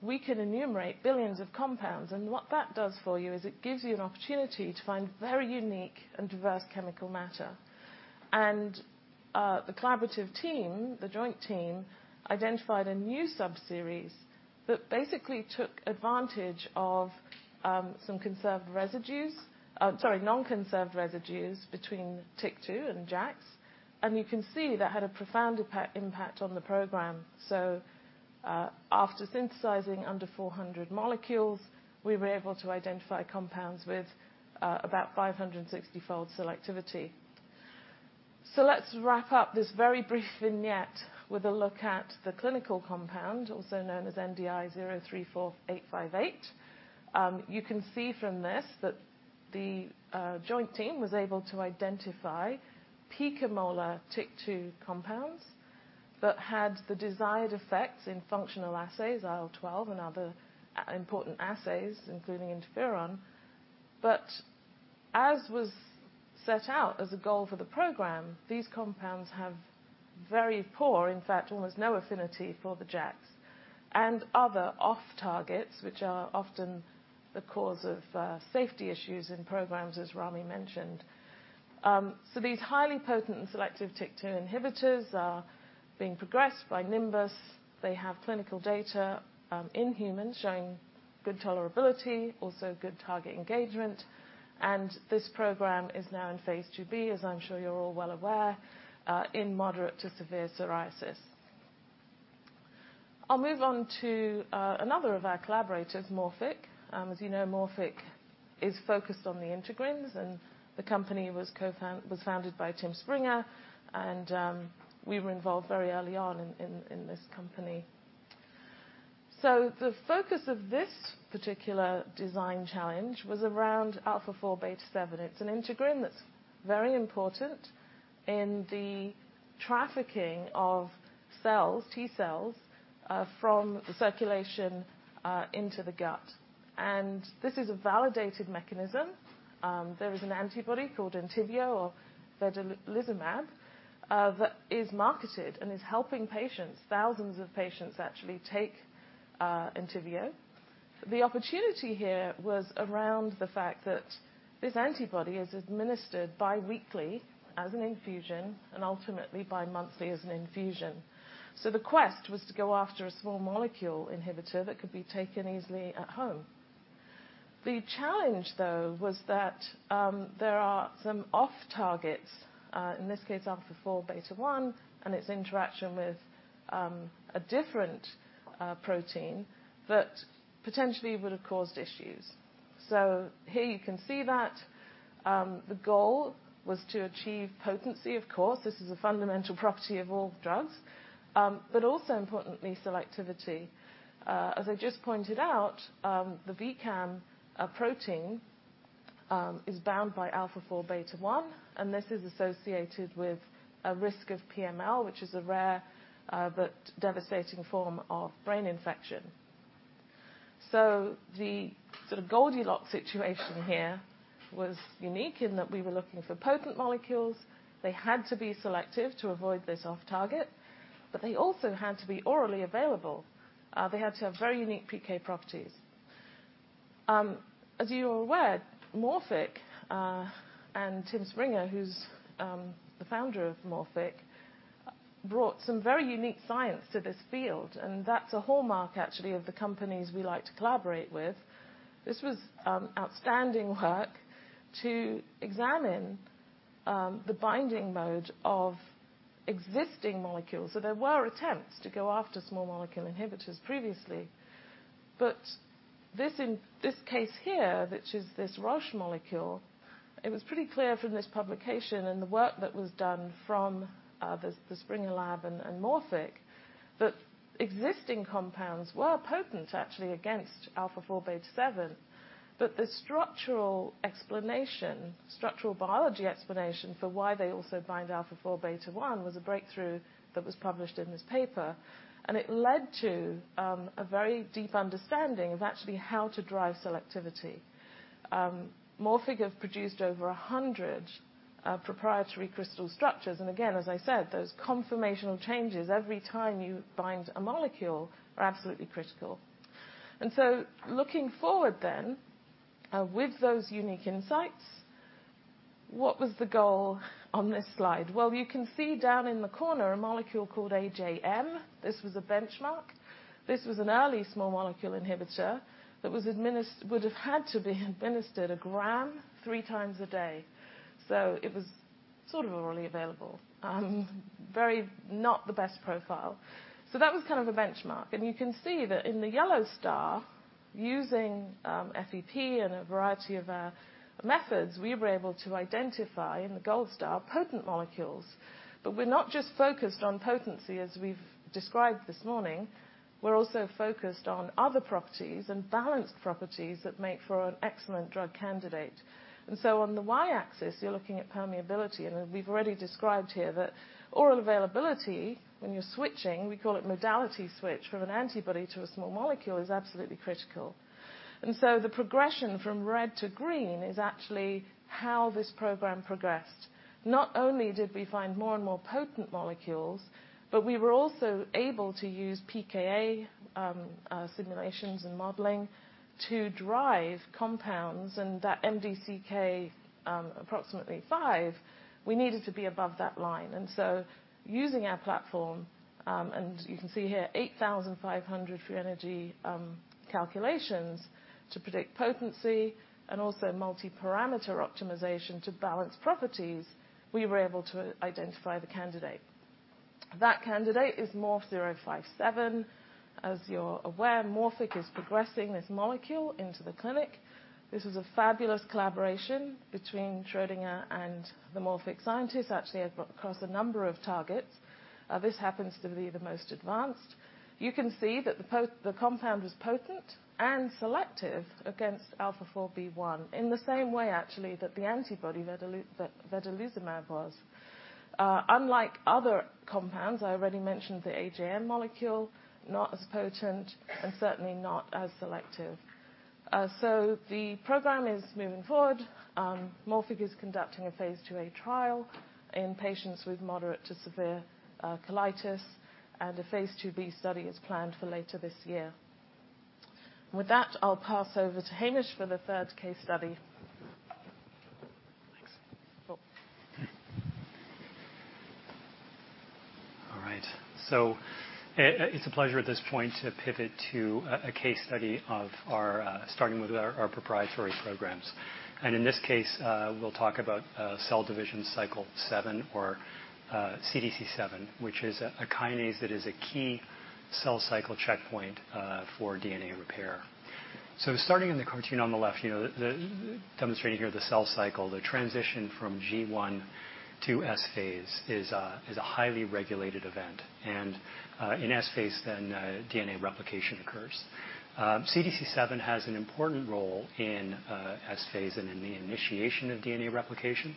we can enumerate billions of compounds, and what that does for you is it gives you an opportunity to find very unique and diverse chemical matter. The collaborative team, the joint team, identified a new subseries that basically took advantage of some non-conserved residues between TYK2 and JAKs. You can see that had a profound impact on the program. After synthesizing under 400 molecules, we were able to identify compounds with about 560-fold selectivity. Let's wrap up this very brief vignette with a look at the clinical compound, also known as NDI-034858. You can see from this that the joint team was able to identify picomolar TYK2 compounds that had the desired effects in functional assays, IL-12 and other important assays, including interferon. As was set out as a goal for the program, these compounds have very poor, in fact, almost no affinity for the JAKs and other off targets, which are often the cause of safety issues in programs, as Ramy mentioned. These highly potent and selective TYK2 inhibitors are being progressed by Nimbus. They have clinical data in humans showing good tolerability, also good target engagement. This program is now in phase II-B, as I'm sure you're all well aware, in moderate to severe psoriasis. I'll move on to another of our collaborators, Morphic. As you know, Morphic is focused on the integrins, and the company was founded by Tim Springer. We were involved very early on in this company. The focus of this particular design challenge was around alpha four beta seven. It's an integrin that's very important in the trafficking of cells, T cells, from the circulation into the gut. This is a validated mechanism. There is an antibody called Entyvio or vedolizumab that is marketed and is helping patients. Thousands of patients actually take Entyvio. The opportunity here was around the fact that this antibody is administered bi-weekly as an infusion and ultimately bi-monthly as an infusion. The quest was to go after a small molecule inhibitor that could be taken easily at home. The challenge, though, was that there are some off-targets, in this case, α4β1, and its interaction with a different protein that potentially would have caused issues. Here you can see that the goal was to achieve potency, of course. This is a fundamental property of all drugs. Also importantly, selectivity. As I just pointed out, the VCAM, a protein, is bound by alpha four beta one, and this is associated with a risk of PML, which is a rare, but devastating form of brain infection. The sort of Goldilocks situation here was unique in that we were looking for potent molecules. They had to be selective to avoid this off-target, but they also had to be orally available. They had to have very unique PK properties. As you are aware, Morphic and Tim Springer, who's the founder of Morphic, brought some very unique science to this field, and that's a hallmark, actually, of the companies we like to collaborate with. This was outstanding work to examine the binding mode of existing molecules. There were attempts to go after small molecule inhibitors previously. This case here, which is this Roche molecule, it was pretty clear from this publication and the work that was done from the Springer lab and Morphic Therapeutic that existing compounds were potent actually against alpha four, beta seven. The structural explanation, structural biology explanation for why they also bind alpha four, beta one was a breakthrough that was published in this paper. It led to a very deep understanding of actually how to drive selectivity. Morphic Therapeutic have produced over 100 proprietary crystal structures. Again, as I said, those conformational changes every time you bind a molecule are absolutely critical. Looking forward then with those unique insights, what was the goal on this slide? Well, you can see down in the corner a molecule called AJM. This was a benchmark. This was an early small molecule inhibitor that would have had to be administered a gram 3x a day. It was sort of orally available. Very not the best profile. That was kind of a benchmark. You can see that in the yellow star, using FEP and a variety of methods, we were able to identify in the gold star potent molecules. We're not just focused on potency, as we've described this morning. We're also focused on other properties and balanced properties that make for an excellent drug candidate. On the y-axis, you're looking at permeability. We've already described here that oral availability, when you're switching, we call it modality switch, from an antibody to a small molecule, is absolutely critical. The progression from red to green is actually how this program progressed. Not only did we find more and more potent molecules, but we were also able to use pKa simulations and modeling to drive compounds. That MDCK approximately 5, we needed to be above that line. Using our platform, and you can see here 8,500 free energy calculations to predict potency and also multi-parameter optimization to balance properties, we were able to identify the candidate. That candidate is MORF-057. As you're aware, Morphic is progressing this molecule into the clinic. This is a fabulous collaboration between Schrödinger and the Morphic scientists, actually across a number of targets. This happens to be the most advanced. You can see that the compound is potent and selective against α4β1 in the same way actually that the antibody vedolizumab was. Unlike other compounds, I already mentioned the AJM molecule, not as potent and certainly not as selective. So the program is moving forward. Morphic is conducting a phase II-A trial in patients with moderate to severe colitis, and a phase II-B study is planned for later this year. With that, I'll pass over to Hamish for the third case study. Thanks. Cool. All right. It's a pleasure at this point to pivot to a case study, starting with our proprietary programs. In this case, we'll talk about cell division cycle seven or CDC7, which is a kinase that is a key cell cycle checkpoint for DNA repair. Starting in the cartoon on the left, you know, demonstrating here the cell cycle. The transition from G1 to S phase is a highly regulated event. In S phase, DNA replication occurs. CDC7 has an important role in S phase and in the initiation of DNA replication,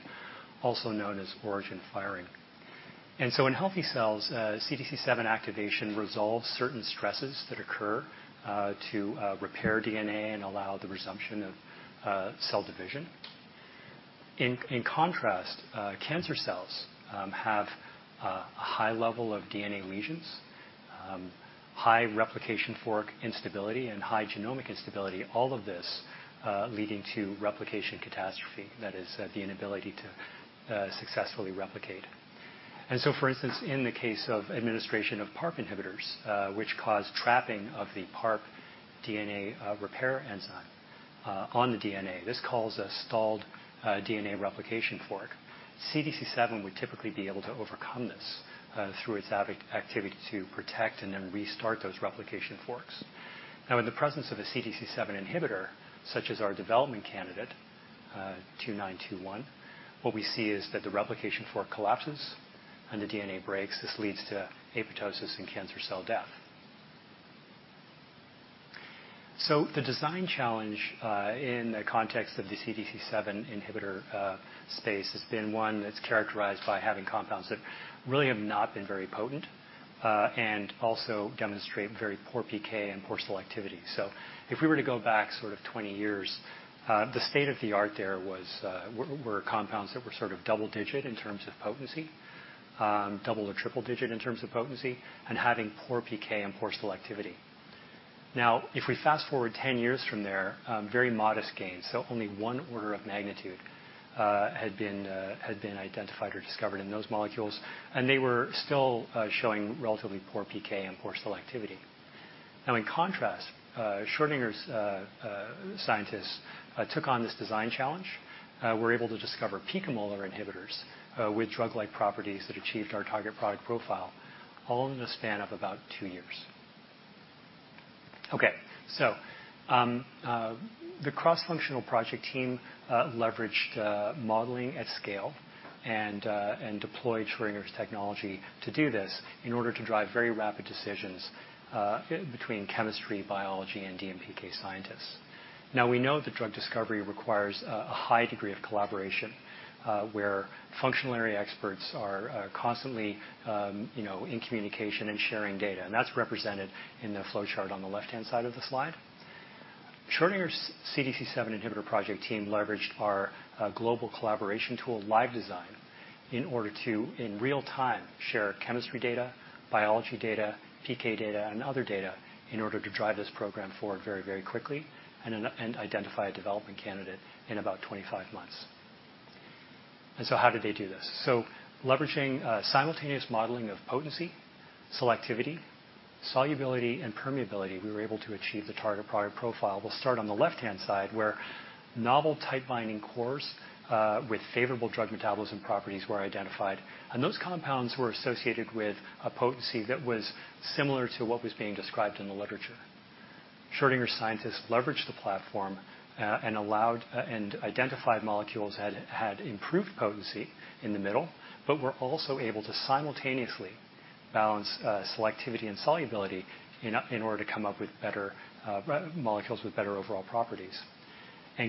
also known as origin firing. In healthy cells, CDC7 activation resolves certain stresses that occur to repair DNA and allow the resumption of cell division. In contrast, cancer cells have a high level of DNA lesions, high replication fork instability, and high genomic instability, all of this leading to replication catastrophe, that is the inability to successfully replicate. For instance, in the case of administration of PARP inhibitors, which cause trapping of the PARP DNA repair enzyme on the DNA. This cause a stalled DNA replication fork. CDC7 would typically be able to overcome this through its activity to protect and then restart those replication forks. Now, in the presence of a CDC7 inhibitor, such as our development candidate SGR-2921, what we see is that the replication fork collapses and the DNA breaks. This leads to apoptosis and cancer cell death. The design challenge in the context of the CDC7 inhibitor space has been one that's characterized by having compounds that really have not been very potent and also demonstrate very poor PK and poor selectivity. If we were to go back sort of 20 years, the state-of-the-art there was were compounds that were sort of double digit in terms of potency, double or triple digit in terms of potency, and having poor PK and poor selectivity. Now, if we fast-forward 10 years from there, very modest gains. Only one order of magnitude had been identified or discovered in those molecules, and they were still showing relatively poor PK and poor selectivity. Now in contrast, Schrödinger's scientists took on this design challenge, were able to discover picomolar inhibitors with drug-like properties that achieved our target product profile all in a span of about two years. Okay. So, the cross-functional project team leveraged modeling at scale and deployed Schrödinger's technology to do this in order to drive very rapid decisions between chemistry, biology, and DMPK scientists. Now we know that drug discovery requires a high degree of collaboration where functional area experts are constantly you know in communication and sharing data. That's represented in the flowchart on the left-hand side of the slide. Schrödinger's CDC7 inhibitor project team leveraged our global collaboration tool, LiveDesign, in order to in real time share chemistry data, biology data, PK data, and other data in order to drive this program forward very, very quickly and identify a development candidate in about 25 months. How did they do this? Leveraging simultaneous modeling of potency, selectivity, solubility, and permeability, we were able to achieve the target product profile. We'll start on the left-hand side, where novel type binding cores with favorable drug metabolism properties were identified, and those compounds were associated with a potency that was similar to what was being described in the literature. Schrödinger scientists leveraged the platform and identified molecules had improved potency in the model, but were also able to simultaneously balance selectivity and solubility in order to come up with better molecules with better overall properties.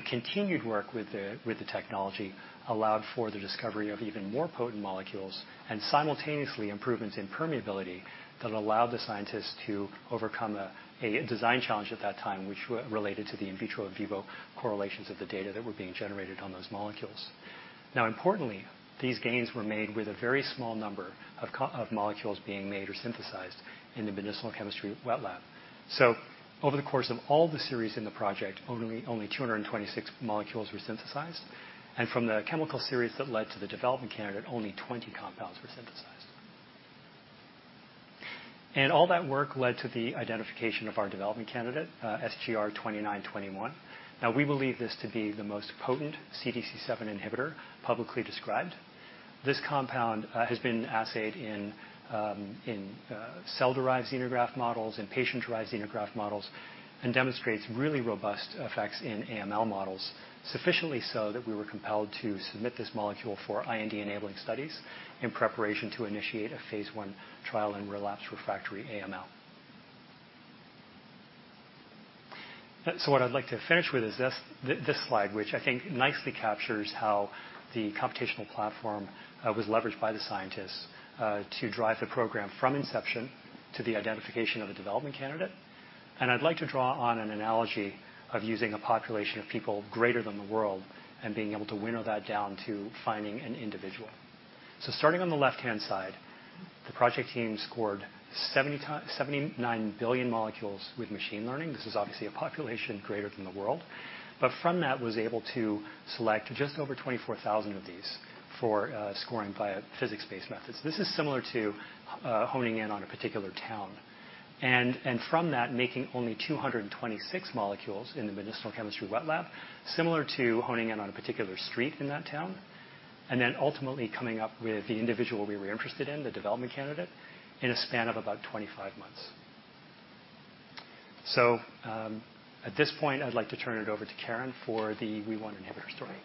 Continued work with the technology allowed for the discovery of even more potent molecules and simultaneously improvements in permeability that allowed the scientists to overcome a design challenge at that time, which related to the in vitro, in vivo correlations of the data that were being generated on those molecules. Now importantly, these gains were made with a very small number of molecules being made or synthesized in the medicinal chemistry wet lab. Over the course of all the series in the prject, only 226 molecules were synthesized. From the chemical series that led to the development candidate, only 20 compounds were synthesized. All that work led to the identification of our development candidate, SGR-2921. Now, we believe this to be the most potent CDC7 inhibitor publicly described. This compound has been assayed in cell-derived xenograft models and patient-derived xenograft models and demonstrates really robust effects in AML models, sufficiently so that we were compelled to submit this molecule for IND-enabling studies in preparation to initiate a phase I trial in relapsed refractory AML. What I'd like to finish with is this slide, which I think nicely captures how the computational platform was leveraged by the scientists to drive the program from inception to the identification of a development candidate. I'd like to draw on an analogy of using a population of people greater than the world and being able to winnow that down to finding an individual. Starting on the left-hand side, the project team scored 79 billion molecules with machine learning. This is obviously a population greater than the world. From that was able to select just over 24,000 of these for scoring via physics-based methods. This is similar to honing in on a particular town. From that, making only 226 molecules in the medicinal chemistry wet lab, similar to honing in on a particular street in that town, and then ultimately coming up with the individual we were interested in, the development candidate, in a span of about 25 months. At this point, I'd like to turn it over to Karen for the WEE1 inhibitor story.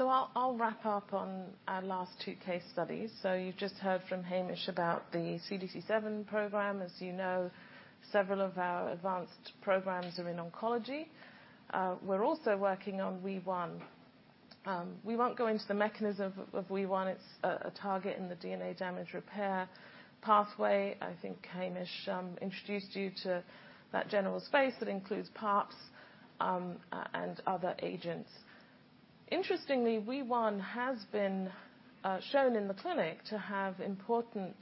I'll wrap up on our last two case studies. You've just heard from Hamish about the CDC7 program. As you know, several of our advanced programs are in oncology. We're also working on WEE1. We won't go into the mechanism of WEE1. It's a target in the DNA damage repair pathway. I think Hamish introduced you to that general space that includes PARPs and other agents. Interestingly, WEE1 has been shown in the clinic to have important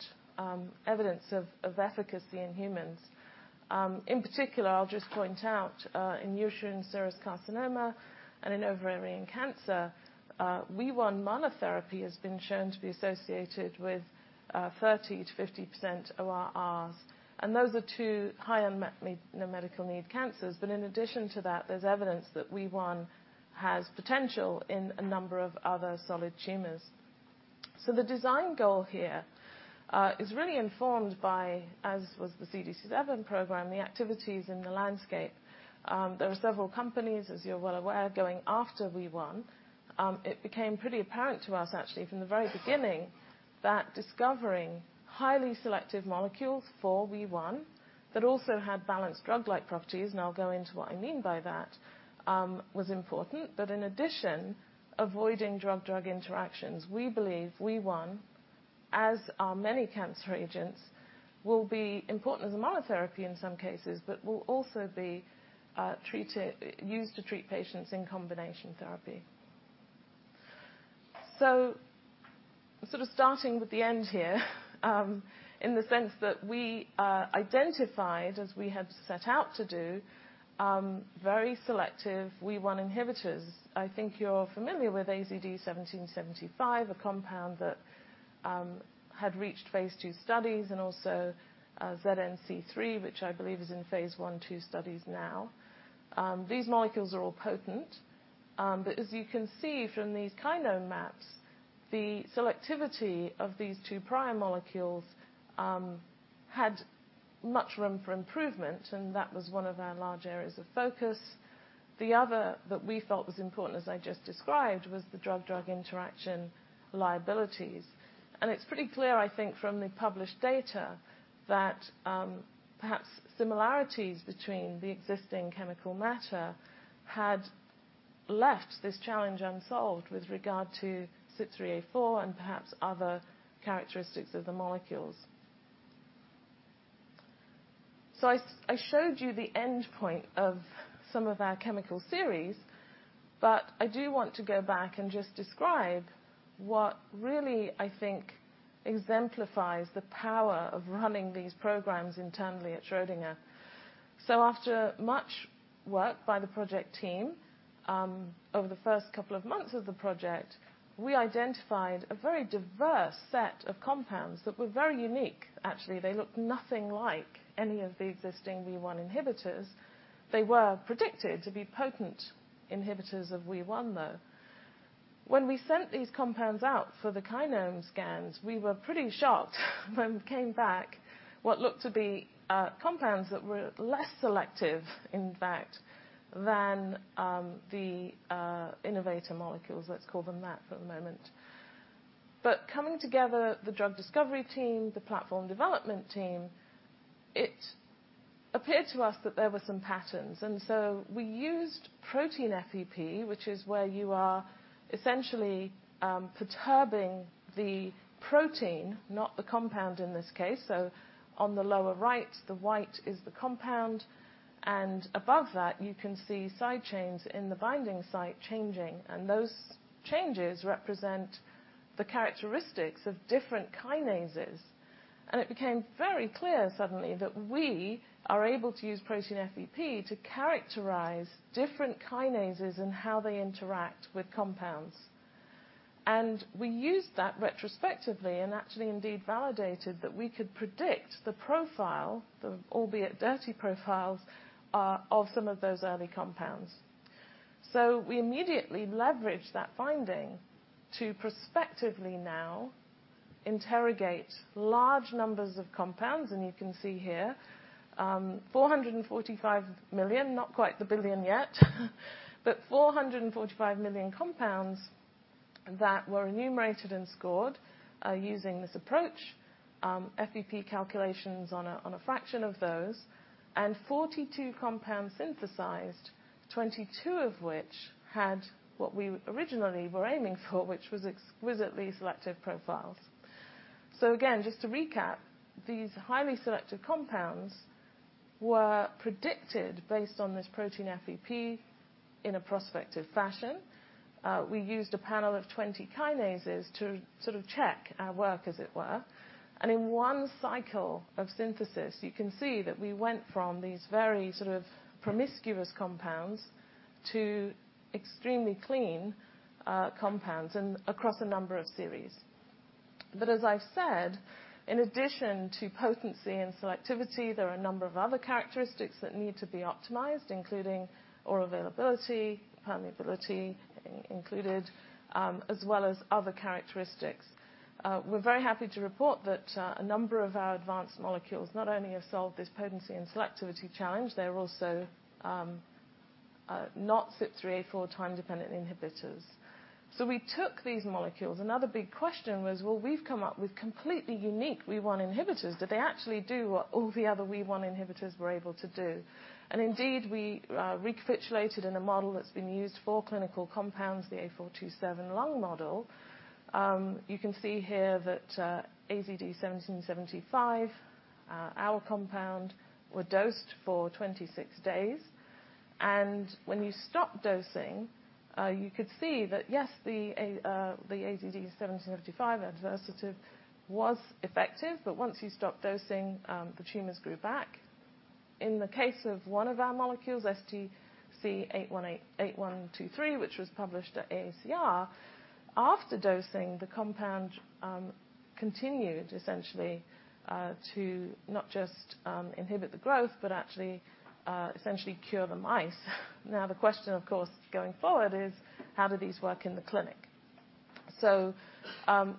evidence of efficacy in humans. In particular, I'll just point out in uterine serous carcinoma and in ovarian cancer, WEE1 monotherapy has been shown to be associated with 30%-50% ORRs, and those are two high unmet medical need cancers. In addition to that, there's evidence that WEE1 has potential in a number of other solid tumors. The design goal here is really informed by, as was the CDC7 program, the activities in the landscape. There are several companies, as you're well aware, going after WEE1. It became pretty apparent to us actually from the very beginning, that discovering highly selective molecules for WEE1 that also had balanced drug-like properties, and I'll go into what I mean by that, was important. In addition, avoiding drug-drug interactions, we believe WEE1, as are many cancer agents, will be important as a monotherapy in some cases, but will also be used to treat patients in combination therapy. Sort of starting with the end here, in the sense that we identified as we had set out to do, very selective WEE1 inhibitors. I think you're familiar with AZD1775, a compound that had reached phase II studies and also ZN-c3, which I believe is in phase I/II studies now. These molecules are all potent, but as you can see from these kinome maps, the selectivity of these two prior molecules had much room for improvement, and that was one of our large areas of focus. The other that we felt was important as I just described was the drug-drug interaction liabilities. It's pretty clear, I think, from the published data that perhaps similarities between the existing chemical matter had left this challenge unsolved with regard to CYP3A4 and perhaps other characteristics of the molecules. I showed you the endpoint of some of our chemical series, but I do want to go back and just describe what really, I think, exemplifies the power of running these programs internally at Schrödinger. After much work by the project team, over the first couple of months of the project, we identified a very diverse set of compounds that were very unique. Actually, they looked nothing like any of the existing WEE1 inhibitors. They were predicted to be potent inhibitors of WEE1, though. When we sent these compounds out for the kinome scans, we were pretty shocked when we came back what looked to be compounds that were less selective in fact than the innovator molecules. Let's call them that for the moment. Coming together, the drug discovery team, the platform development team, it appeared to us that there were some patterns, and so we used protein FEP, which is where you are essentially perturbing the protein, not the compound in this case. On the lower right, the white is the compound, and above that, you can see side chains in the binding site changing, and those changes represent the characteristics of different kinases. It became very clear suddenly that we are able to use protein FEP to characterize different kinases and how they interact with compounds. We used that retrospectively and actually indeed validated that we could predict the profile, the albeit dirty profiles, of some of those early compounds. We immediately leveraged that finding to prospectively now interrogate large numbers of compounds, and you can see here, 445 million, not quite the billion yet, but 445 million compounds that were enumerated and scored, using this approach, FEP calculations on a fraction of those. Forty-two compounds synthesized, 22 of which had what we originally were aiming for, which was exquisitely selective profiles. Again, just to recap, these highly selective compounds were predicted based on this protein FEP in a prospective fashion. We used a panel of 20 kinases to sort of check our work as it were. In one cycle of synthesis, you can see that we went from these very sort of promiscuous compounds to extremely clean compounds and across a number of series. As I've said, in addition to potency and selectivity, there are a number of other characteristics that need to be optimized, including oral availability, permeability included, as well as other characteristics. We're very happy to report that a number of our advanced molecules not only have solved this potency and selectivity challenge, they're also not CYP3A4 time-dependent inhibitors. We took these molecules. Another big question was, well, we've come up with completely unique WEE1 inhibitors. Do they actually do what all the other WEE1 inhibitors were able to do? Indeed, we recapitulated in a model that's been used for clinical compounds, the A427 lung model. You can see here that AZD1775, our compound were dosed for 26 days. When you stop dosing, you could see that, yes, the AZD1775 adavosertib was effective, but once you stop dosing, the tumors grew back. In the case of one of our molecules, STC-8123, which was published at ACR. After dosing the compound, continued essentially to not just inhibit the growth, but actually essentially cure the mice. Now, the question, of course, going forward is how do these work in the clinic?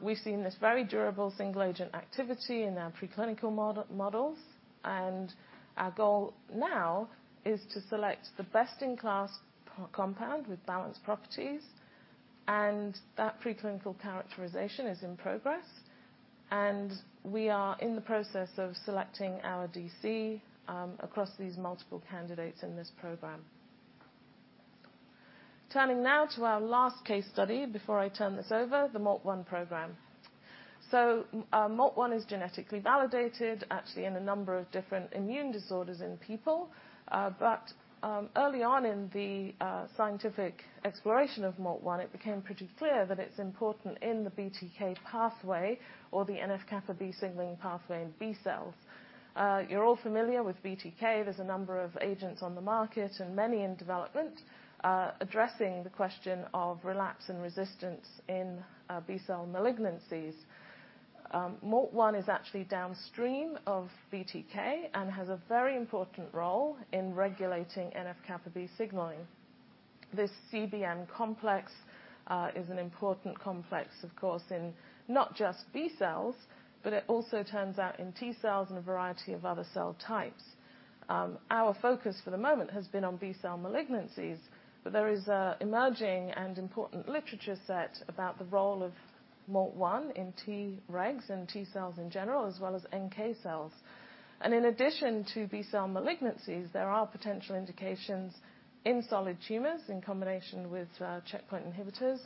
We've seen this very durable single agent activity in our preclinical models, and our goal now is to select the best-in-class compound with balanced properties, and that preclinical characterization is in progress. We are in the process of selecting our DC across these multiple candidates in this program. Turning now to our last case study before I turn this over, the MALT1 program. MALT1 is genetically validated actually in a number of different immune disorders in people. Early on in the scientific exploration of MALT1, it became pretty clear that it's important in the BTK pathway or the NF-κB signaling pathway in B cells. You're all familiar with BTK. There's a number of agents on the market and many in development addressing the question of relapse and resistance in B-cell malignancies. MALT1 is actually downstream of BTK and has a very important role in regulating NF-κB signaling. This CBM complex is an important complex, of course, in not just B cells, but it also turns out in T cells and a variety of other cell types. Our focus for the moment has been on B-cell malignancies, but there is an emerging and important literature set about the role of MALT1 in T regs and T cells in general, as well as NK cells. In addition to B-cell malignancies, there are potential indications in solid tumors in combination with checkpoint inhibitors,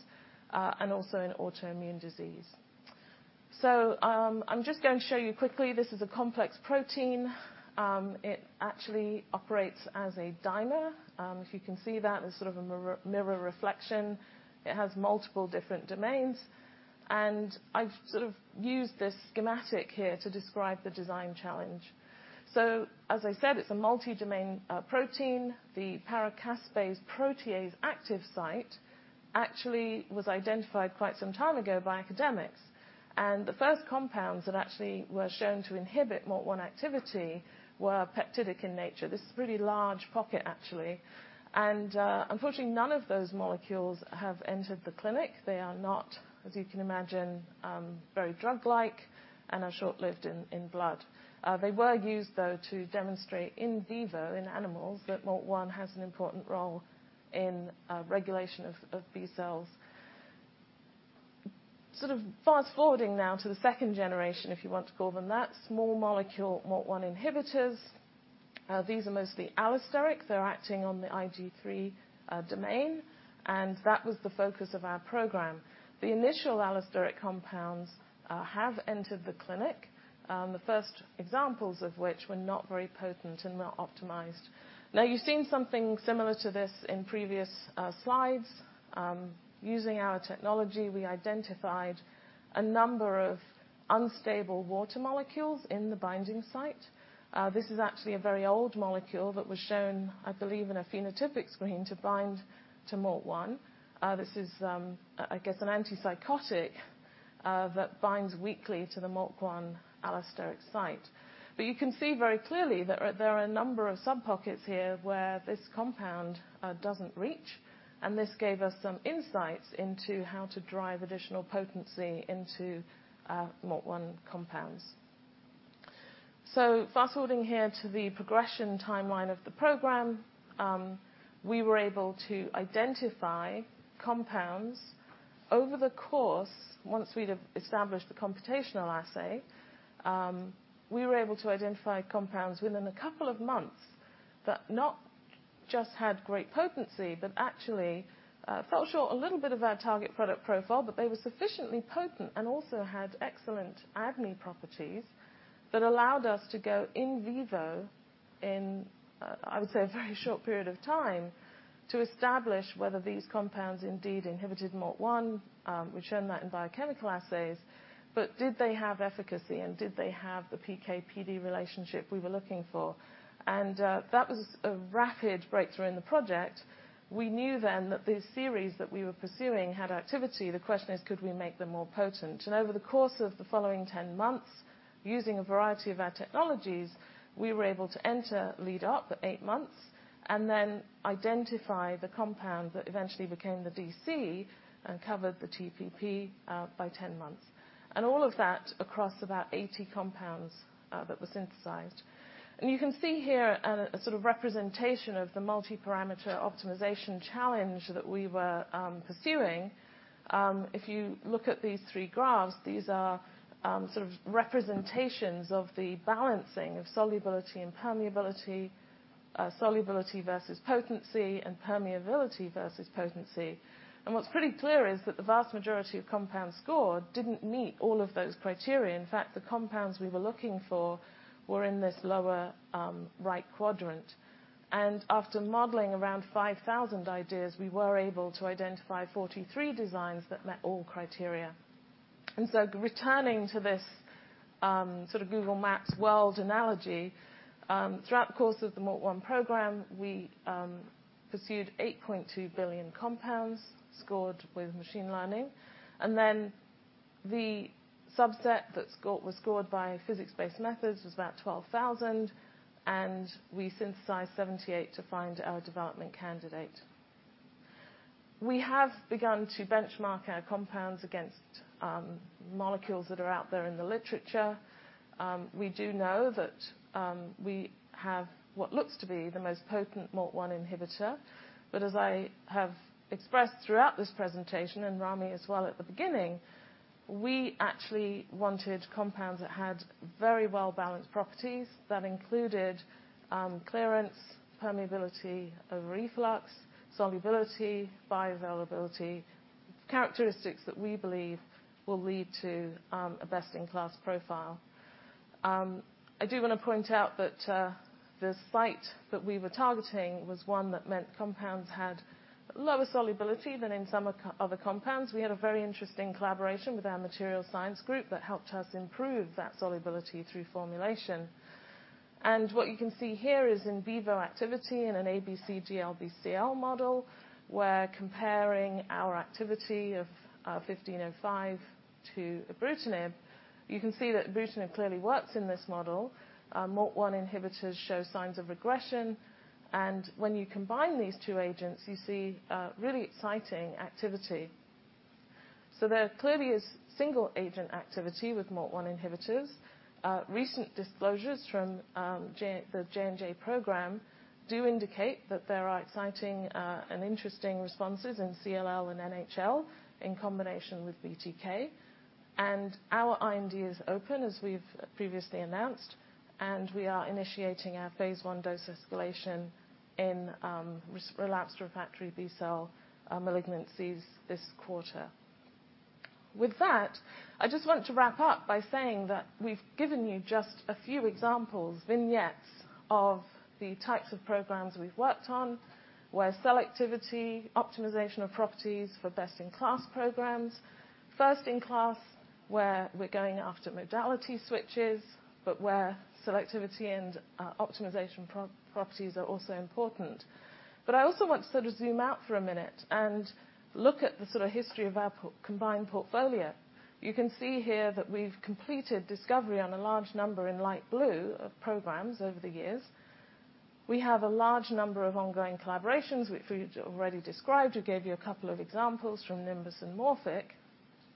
and also in autoimmune disease. I'm just going to show you quickly, this is a complex protein. It actually operates as a dimer. If you can see that as sort of a mirror reflection. It has multiple different domains, and I've sort of used this schematic here to describe the design challenge. As I said, it's a multi-domain protein. The paracaspase protease active site actually was identified quite some time ago by academics. The first compounds that actually were shown to inhibit MALT1 activity were peptidic in nature. This is a pretty large pocket, actually. Unfortunately, none of those molecules have entered the clinic. They are not, as you can imagine, very drug-like and are short-lived in blood. They were used, though, to demonstrate in vivo, in animals, that MALT1 has an important role in regulation of B cells. Sort of fast-forwarding now to the second generation, if you want to call them that, small molecule MALT1 inhibitors. These are mostly allosteric. They're acting on the Ig3 domain, and that was the focus of our program. The initial allosteric compounds have entered the clinic, the first examples of which were not very potent and not optimized. Now, you've seen something similar to this in previous slides. Using our technology, we identified a number of unstable water molecules in the binding site. This is actually a very old molecule that was shown, I believe, in a phenotypic screen to bind to MALT1. This is, I guess, an antipsychotic that binds weakly to the MALT1 allosteric site. You can see very clearly that there are a number of sub-pockets here where this compound doesn't reach, and this gave us some insights into how to drive additional potency into MALT1 compounds. Fast-forwarding here to the progression timeline of the program. We were able to identify compounds within a couple of months that not just had great potency, but actually fell short a little bit of our target product profile, but they were sufficiently potent and also had excellent ADME properties that allowed us to go in vivo in, I would say, a very short period of time, to establish whether these compounds indeed inhibited MALT1, which shown that in biochemical assays. Did they have efficacy, and did they have the PK/PD relationship we were looking for? That was a rapid breakthrough in the project. We knew then that this series that we were pursuing had activity. The question is, could we make them more potent? Over the course of the following 10 months, using a variety of our technologies, we were able to enter lead optimization at eight months and then identify the compound that eventually became the DC and covered the TPP by 10 months. All of that across about 80 compounds that were synthesized. You can see here a sort of representation of the multiparameter optimization challenge that we were pursuing. If you look at these three graphs, these are sort of representations of the balancing of solubility and permeability, solubility versus potency and permeability versus potency. What's pretty clear is that the vast majority of compounds scored didn't meet all of those criteria. In fact, the compounds we were looking for were in this lower right quadrant. After modeling around 5,000 ideas, we were able to identify 43 designs that met all criteria. Returning to this sort of Google Maps world analogy, throughout the course of the MALT1 program, we pursued 8.2 billion compounds scored with machine learning. Then the subset that was scored by physics-based methods was about 12,000, and we synthesized 78 to find our development candidate. We have begun to benchmark our compounds against molecules that are out there in the literature. We do know that we have what looks to be the most potent MALT1 inhibitor, but as I have expressed throughout this presentation, and Ramy as well at the beginning, we actually wanted compounds that had very well-balanced properties that included clearance, permeability, efflux, solubility, bioavailability, characteristics that we believe will lead to a best-in-class profile. I do want to point out that the site that we were targeting was one that meant compounds had lower solubility than in some other compounds. We had a very interesting collaboration with our material science group that helped us improve that solubility through formulation. What you can see here is in vivo activity in an ABC-DLBCL model. We're comparing our activity of 1505 to ibrutinib. You can see that ibrutinib clearly works in this model. MALT1 inhibitors show signs of regression. When you combine these two agents, you see really exciting activity. There clearly is single agent activity with MALT1 inhibitors. Recent disclosures from the JJ program do indicate that there are exciting and interesting responses in CLL and NHL in combination with BTK. Our IND is open, as we've previously announced, and we are initiating our phase one dose escalation in relapsed refractory B-cell malignancies this quarter. With that, I just want to wrap up by saying that we've given you just a few examples, vignettes of the types of programs we've worked on, where selectivity, optimization of properties for best-in-class programs, first-in-class, where we're going after modality switches, but where selectivity and optimization properties are also important. I also want to sort of zoom out for a minute and look at the sort of history of our combined portfolio. You can see here that we've completed discovery on a large number in light blue of programs over the years. We have a large number of ongoing collaborations which we've already described. We gave you a couple of examples from Nimbus and Morphic.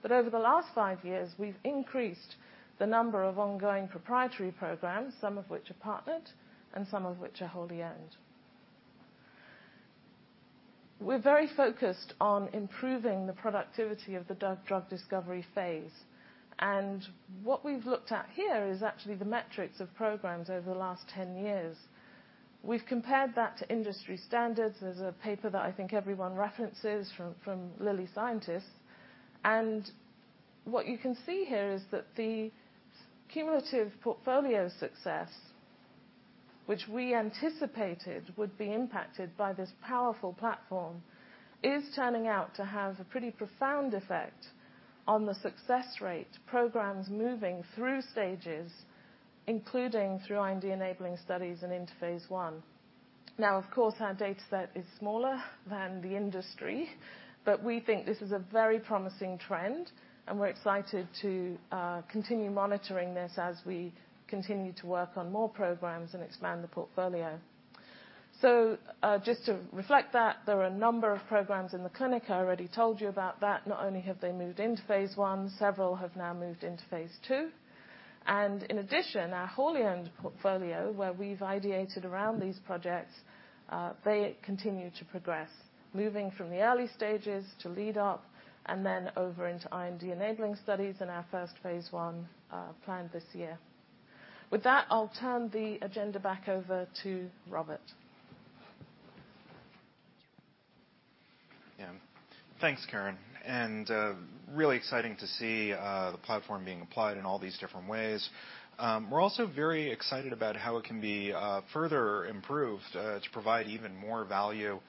Over the last five years, we've increased the number of ongoing proprietary programs, some of which are partnered and some of which are wholly owned. We're very focused on improving the productivity of the drug discovery phase. What we've looked at here is actually the metrics of programs over the last 10 years. We've compared that to industry standards. There's a paper that I think everyone references from Lilly scientists. What you can see here is that the cumulative portfolio success, which we anticipated would be impacted by this powerful platform, is turning out to have a pretty profound effect on the success rate, programs moving through stages, including through IND-enabling studies and into phase I. Now, of course, our data set is smaller than the industry, but we think this is a very promising trend, and we're excited to continue monitoring this as we continue to work on more programs and expand the portfolio. Just to reflect that, there are a number of programs in the clinic. I already told you about that. Not only have they moved into phase I, several have now moved into phase II. In addition, our wholly owned portfolio, where we've ideated around these projects, they continue to progress, moving from the early stages to lead up and then over into IND-enabling studies and our first phase I planned this year. With that, I'll turn the agenda back over to Robert. Yeah. Thanks, Karen, and really exciting to see the platform being applied in all these different ways. We're also very excited about how it can be further improved to provide even more value.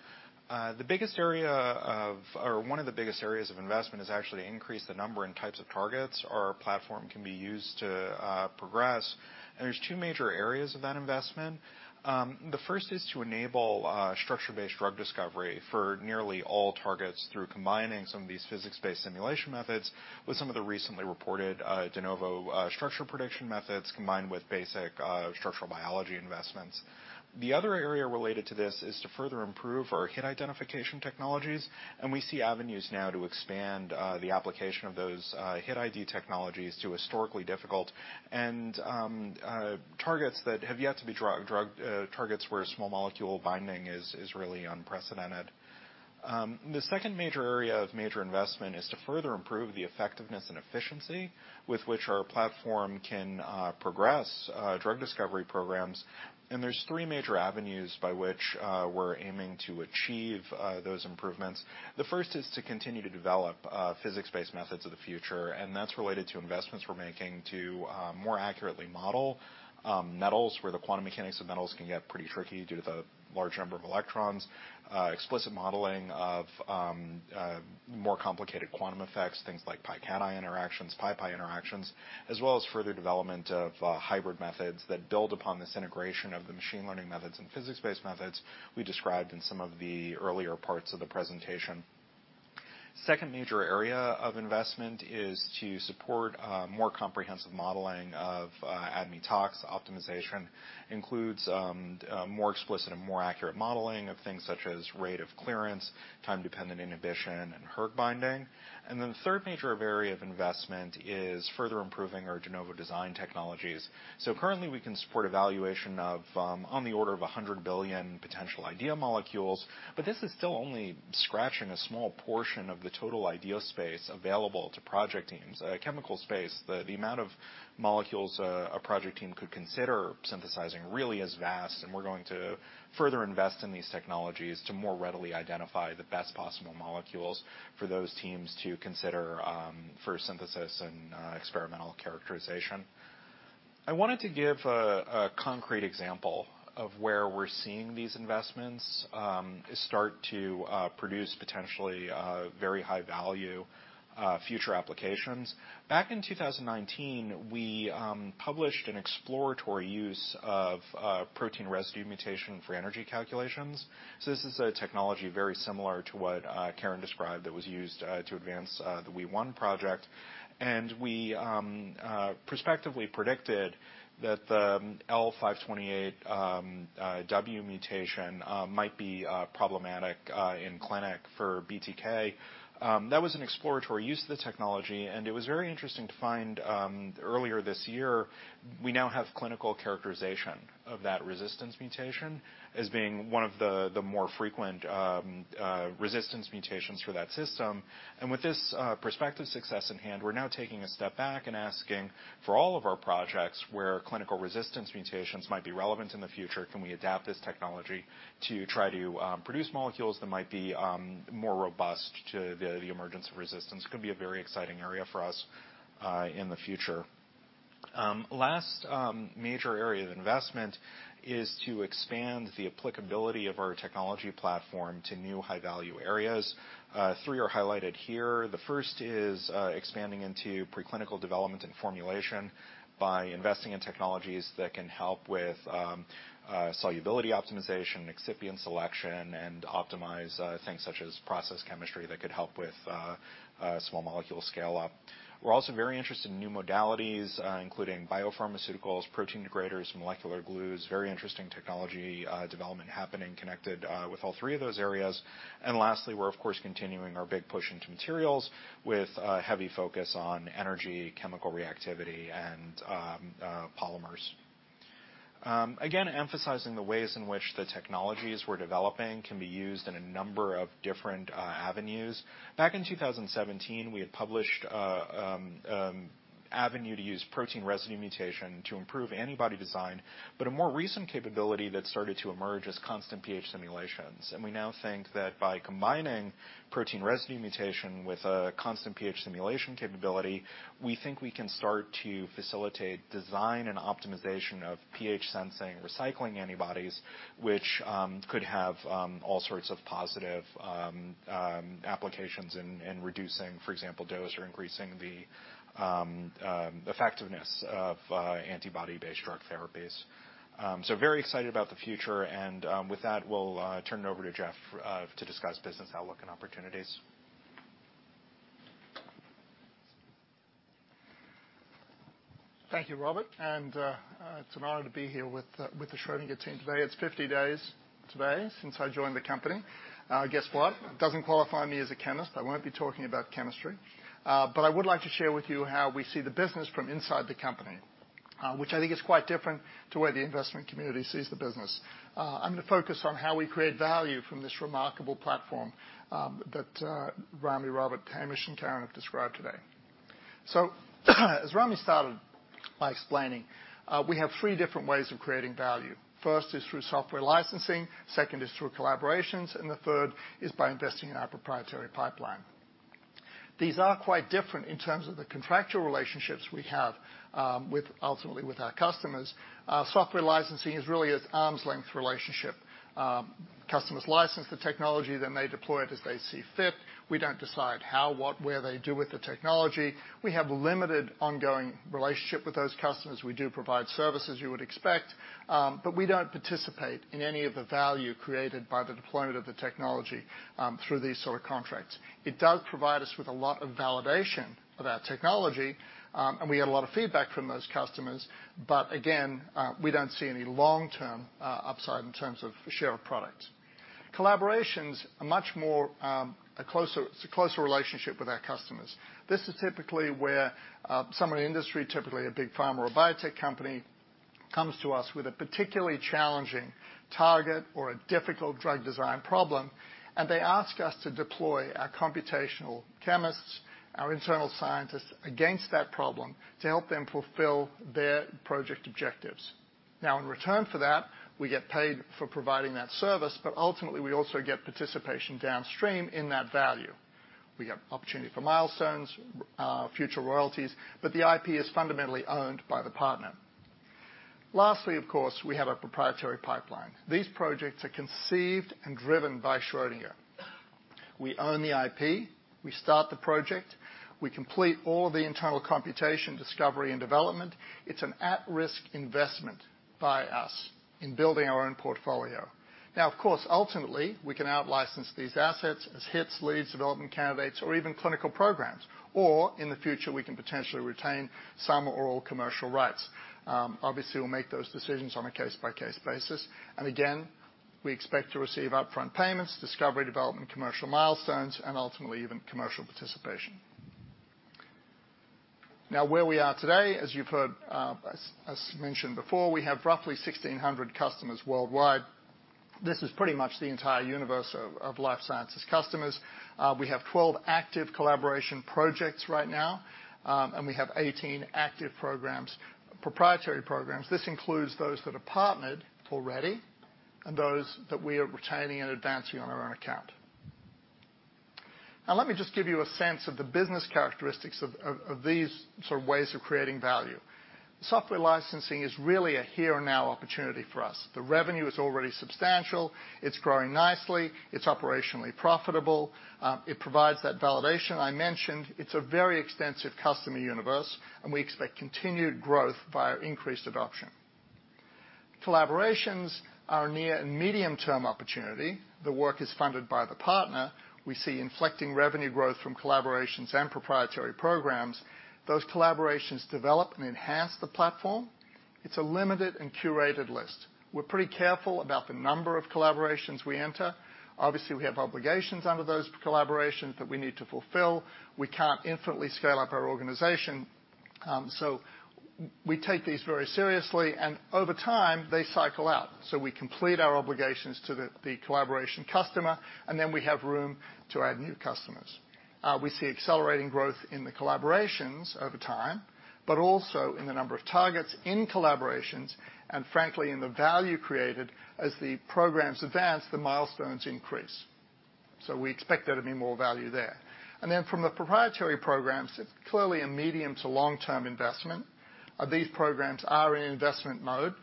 The biggest area of or one of the biggest areas of investment is actually increase the number and types of targets our platform can be used to progress. There's two major areas of that investment. The first is to enable structure-based drug discovery for nearly all targets through combining some of these physics-based simulation methods with some of the recently reported de novo structure prediction methods combined with basic structural biology investments. The other area related to this is to further improve our hit identification technologies, and we see avenues now to expand the application of those hit ID technologies to historically difficult targets that have yet to be drug targets where small molecule binding is really unprecedented. The second major area of major investment is to further improve the effectiveness and efficiency with which our platform can progress drug discovery programs. There's three major avenues by which we're aiming to achieve those improvements. The first is to continue to develop physics-based methods of the future, and that's related to investments we're making to more accurately model metals, where the quantum mechanics of metals can get pretty tricky due to the large number of electrons. Explicit modeling of more complicated quantum effects, things like pi cation interactions, pi-pi interactions, as well as further development of hybrid methods that build upon this integration of the machine learning methods and physics-based methods we described in some of the earlier parts of the presentation. Second major area of investment is to support more comprehensive modeling of ADMET. Optimization includes more explicit and more accurate modeling of things such as rate of clearance, time-dependent inhibition, and HERG binding. The third major area of investment is further improving our de novo design technologies. Currently we can support evaluation of on the order of 100 billion potential idea molecules, but this is still only scratching a small portion of the total idea space available to project teams. Chemical space, the amount of molecules a project team could consider synthesizing really is vast, and we're going to further invest in these technologies to more readily identify the best possible molecules for those teams to consider for synthesis and experimental characterization. I wanted to give a concrete example of where we're seeing these investments start to produce potentially very high value future applications. Back in 2019, we published an exploratory use of protein residue mutation for energy calculations. This is a technology very similar to what Karen described that was used to advance the WEE1 project. We prospectively predicted that the L528W mutation might be problematic in clinic for BTK. That was an exploratory use of the technology, and it was very interesting to find, earlier this year we now have clinical characterization of that resistance mutation as being one of the more frequent resistance mutations for that system. With this prospective success in hand, we're now taking a step back and asking for all of our projects where clinical resistance mutations might be relevant in the future, can we adapt this technology to try to produce molecules that might be more robust to the emergence of resistance? Could be a very exciting area for us in the future. Last major area of investment is to expand the applicability of our technology platform to new high-value areas. Three are highlighted here. The first is expanding into preclinical development and formulation by investing in technologies that can help with solubility optimization, excipient selection, and optimize things such as process chemistry that could help with small molecule scale-up. We're also very interested in new modalities, including biopharmaceuticals, protein degraders, molecular glues. Very interesting technology development happening connected with all three of those areas. Lastly, we're of course continuing our big push into materials with a heavy focus on energy, chemical reactivity, and polymers. Again, emphasizing the ways in which the technologies we're developing can be used in a number of different avenues. Back in 2017, we had published avenue to use protein residue mutation to improve antibody design. A more recent capability that started to emerge is constant pH simulations. We now think that by combining protein residue mutation with a constant pH simulation capability, we think we can start to facilitate design and optimization of pH sensing recycling antibodies, which could have all sorts of positive applications in reducing, for example, dose or increasing the effectiveness of antibody-based drug therapies. Very excited about the future. With that, we'll turn it over to Jeff Porges to discuss business outlook and opportunities. Thank you, Robert. It's an honor to be here with the Schrödinger team today. It's 50 days today since I joined the company. Guess what? It doesn't qualify me as a chemist. I won't be talking about chemistry. I would like to share with you how we see the business from inside the company, which I think is quite different to where the investment community sees the business. I'm gonna focus on how we create value from this remarkable platform that Ramy, Robert, Hamish, and Karen have described today. As Ramy started by explaining, we have three different ways of creating value. First is through software licensing, second is through collaborations, and the third is by investing in our proprietary pipeline. These are quite different in terms of the contractual relationships we have, with ultimately with our customers. Software licensing is really an arm's-length relationship. Customers license the technology, then they deploy it as they see fit. We don't decide how, what, where they do with the technology. We have limited ongoing relationship with those customers. We do provide services you would expect, but we don't participate in any of the value created by the deployment of the technology, through these sort of contracts. It does provide us with a lot of validation of our technology, and we get a lot of feedback from those customers. Again, we don't see any long-term upside in terms of share of product. Collaborations are much more. It's a closer relationship with our customers. This is typically where someone in the industry, typically a big pharma or biotech company, comes to us with a particularly challenging target or a difficult drug design problem, and they ask us to deploy our computational chemists, our internal scientists, against that problem to help them fulfill their project objectives. Now, in return for that, we get paid for providing that service, but ultimately, we also get participation downstream in that value. We get opportunity for milestones, future royalties, but the IP is fundamentally owned by the partner. Lastly, of course, we have our proprietary pipeline. These projects are conceived and driven by Schrödinger. We own the IP, we start the project. We complete all the internal computation, discovery, and development. It's an at-risk investment by us in building our own portfolio. Now, of course, ultimately, we can out-license these assets as hits, leads, development candidates, or even clinical programs, or in the future, we can potentially retain some or all commercial rights. Obviously, we'll make those decisions on a case-by-case basis. Again, we expect to receive upfront payments, discovery development, commercial milestones, and ultimately even commercial participation. Now, where we are today, as you've heard, as mentioned before, we have roughly 1,600 customers worldwide. This is pretty much the entire universe of life sciences customers. We have 12 active collaboration projects right now, and we have 18 active programs, proprietary programs. This includes those that are partnered already and those that we are retaining and advancing on our own account. Now let me just give you a sense of the business characteristics of these sort of ways of creating value. Software licensing is really a here and now opportunity for us. The revenue is already substantial. It's growing nicely. It's operationally profitable. It provides that validation I mentioned. It's a very extensive customer universe, and we expect continued growth via increased adoption. Collaborations are near and medium-term opportunity. The work is funded by the partner. We see inflecting revenue growth from collaborations and proprietary programs. Those collaborations develop and enhance the platform. It's a limited and curated list. We're pretty careful about the number of collaborations we enter. Obviously, we have obligations under those collaborations that we need to fulfill. We can't infinitely scale up our organization, so we take these very seriously, and over time, they cycle out. We complete our obligations to the collaboration customer, and then we have room to add new customers. We see accelerating growth in the collaborations over time, but also in the number of targets in collaborations, and frankly, in the value created as the programs advance, the milestones increase. We expect there to be more value there. From the proprietary programs, it's clearly a medium to long-term investment. These programs are in investment mode.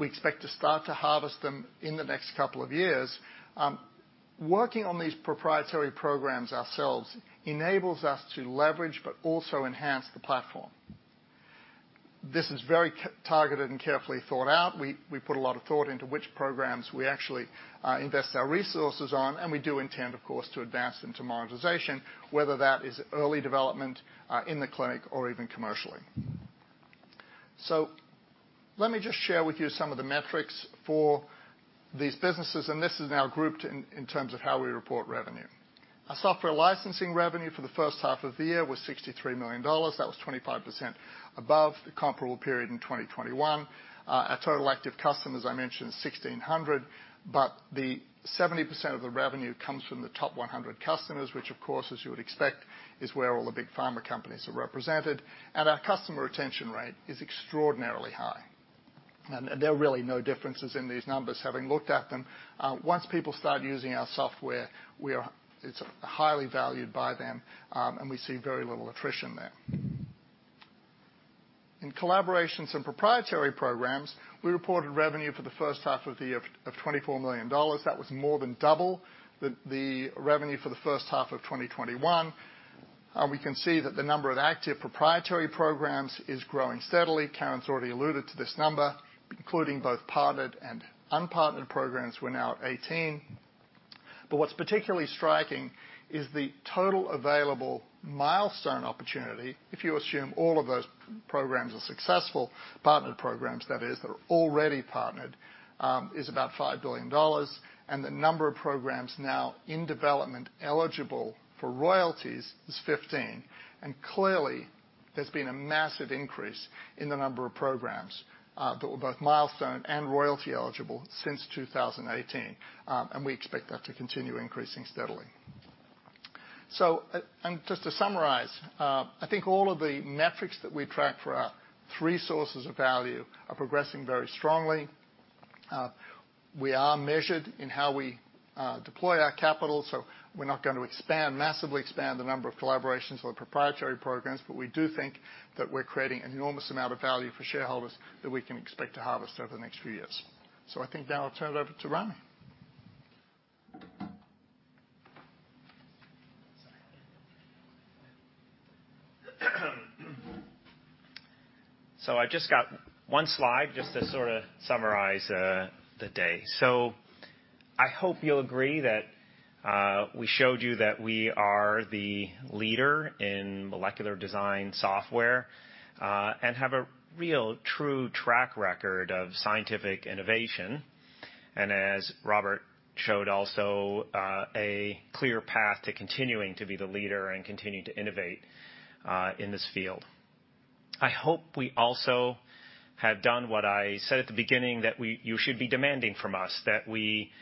We expect to start to harvest them in the next couple of years. Working on these proprietary programs ourselves enables us to leverage but also enhance the platform. This is very targeted and carefully thought out. We put a lot of thought into which programs we actually invest our resources on, and we do intend, of course, to advance them to monetization, whether that is early development in the clinic or even commercially. Let me just share with you some of the metrics for these businesses, and this is now grouped in terms of how we report revenue. Our software licensing revenue for the first half of the year was $63 million. That was 25% above the comparable period in 2021. Our total active customers, I mentioned 1,600, but the 70% of the revenue comes from the top 100 customers, which of course, as you would expect, is where all the big pharma companies are represented. Our customer retention rate is extraordinarily high. And there are really no differences in these numbers, having looked at them. Once people start using our software, it's highly valued by them, and we see very little attrition there. In collaborations and proprietary programs, we reported revenue for the first half of the year of $24 million. That was more than double the revenue for the first half of 2021. We can see that the number of active proprietary programs is growing steadily. Karen's already alluded to this number, including both partnered and unpartnered programs, we're now at 18. What's particularly striking is the total available milestone opportunity. If you assume all of those programs are successful, partnered programs that is, that are already partnered, is about $5 billion, and the number of programs now in development eligible for royalties is 15. Clearly, there's been a massive increase in the number of programs, both milestone and royalty eligible since 2018. We expect that to continue increasing steadily. Just to summarize, I think all of the metrics that we track for our three sources of value are progressing very strongly. We are measured in how we deploy our capital, so we're not gonna expand, massively expand the number of collaborations or proprietary programs, but we do think that we're creating an enormous amount of value for shareholders that we can expect to harvest over the next few years. I think now I'll turn it over to Ramy. I've just got one slide just to sort of summarize the day. I hope you'll agree that we showed you that we are the leader in molecular design software and have a real true track record of scientific innovation. As Robert showed also a clear path to continuing to be the leader and continuing to innovate in this field. I hope we also have done what I said at the beginning that you should be demanding from us, that we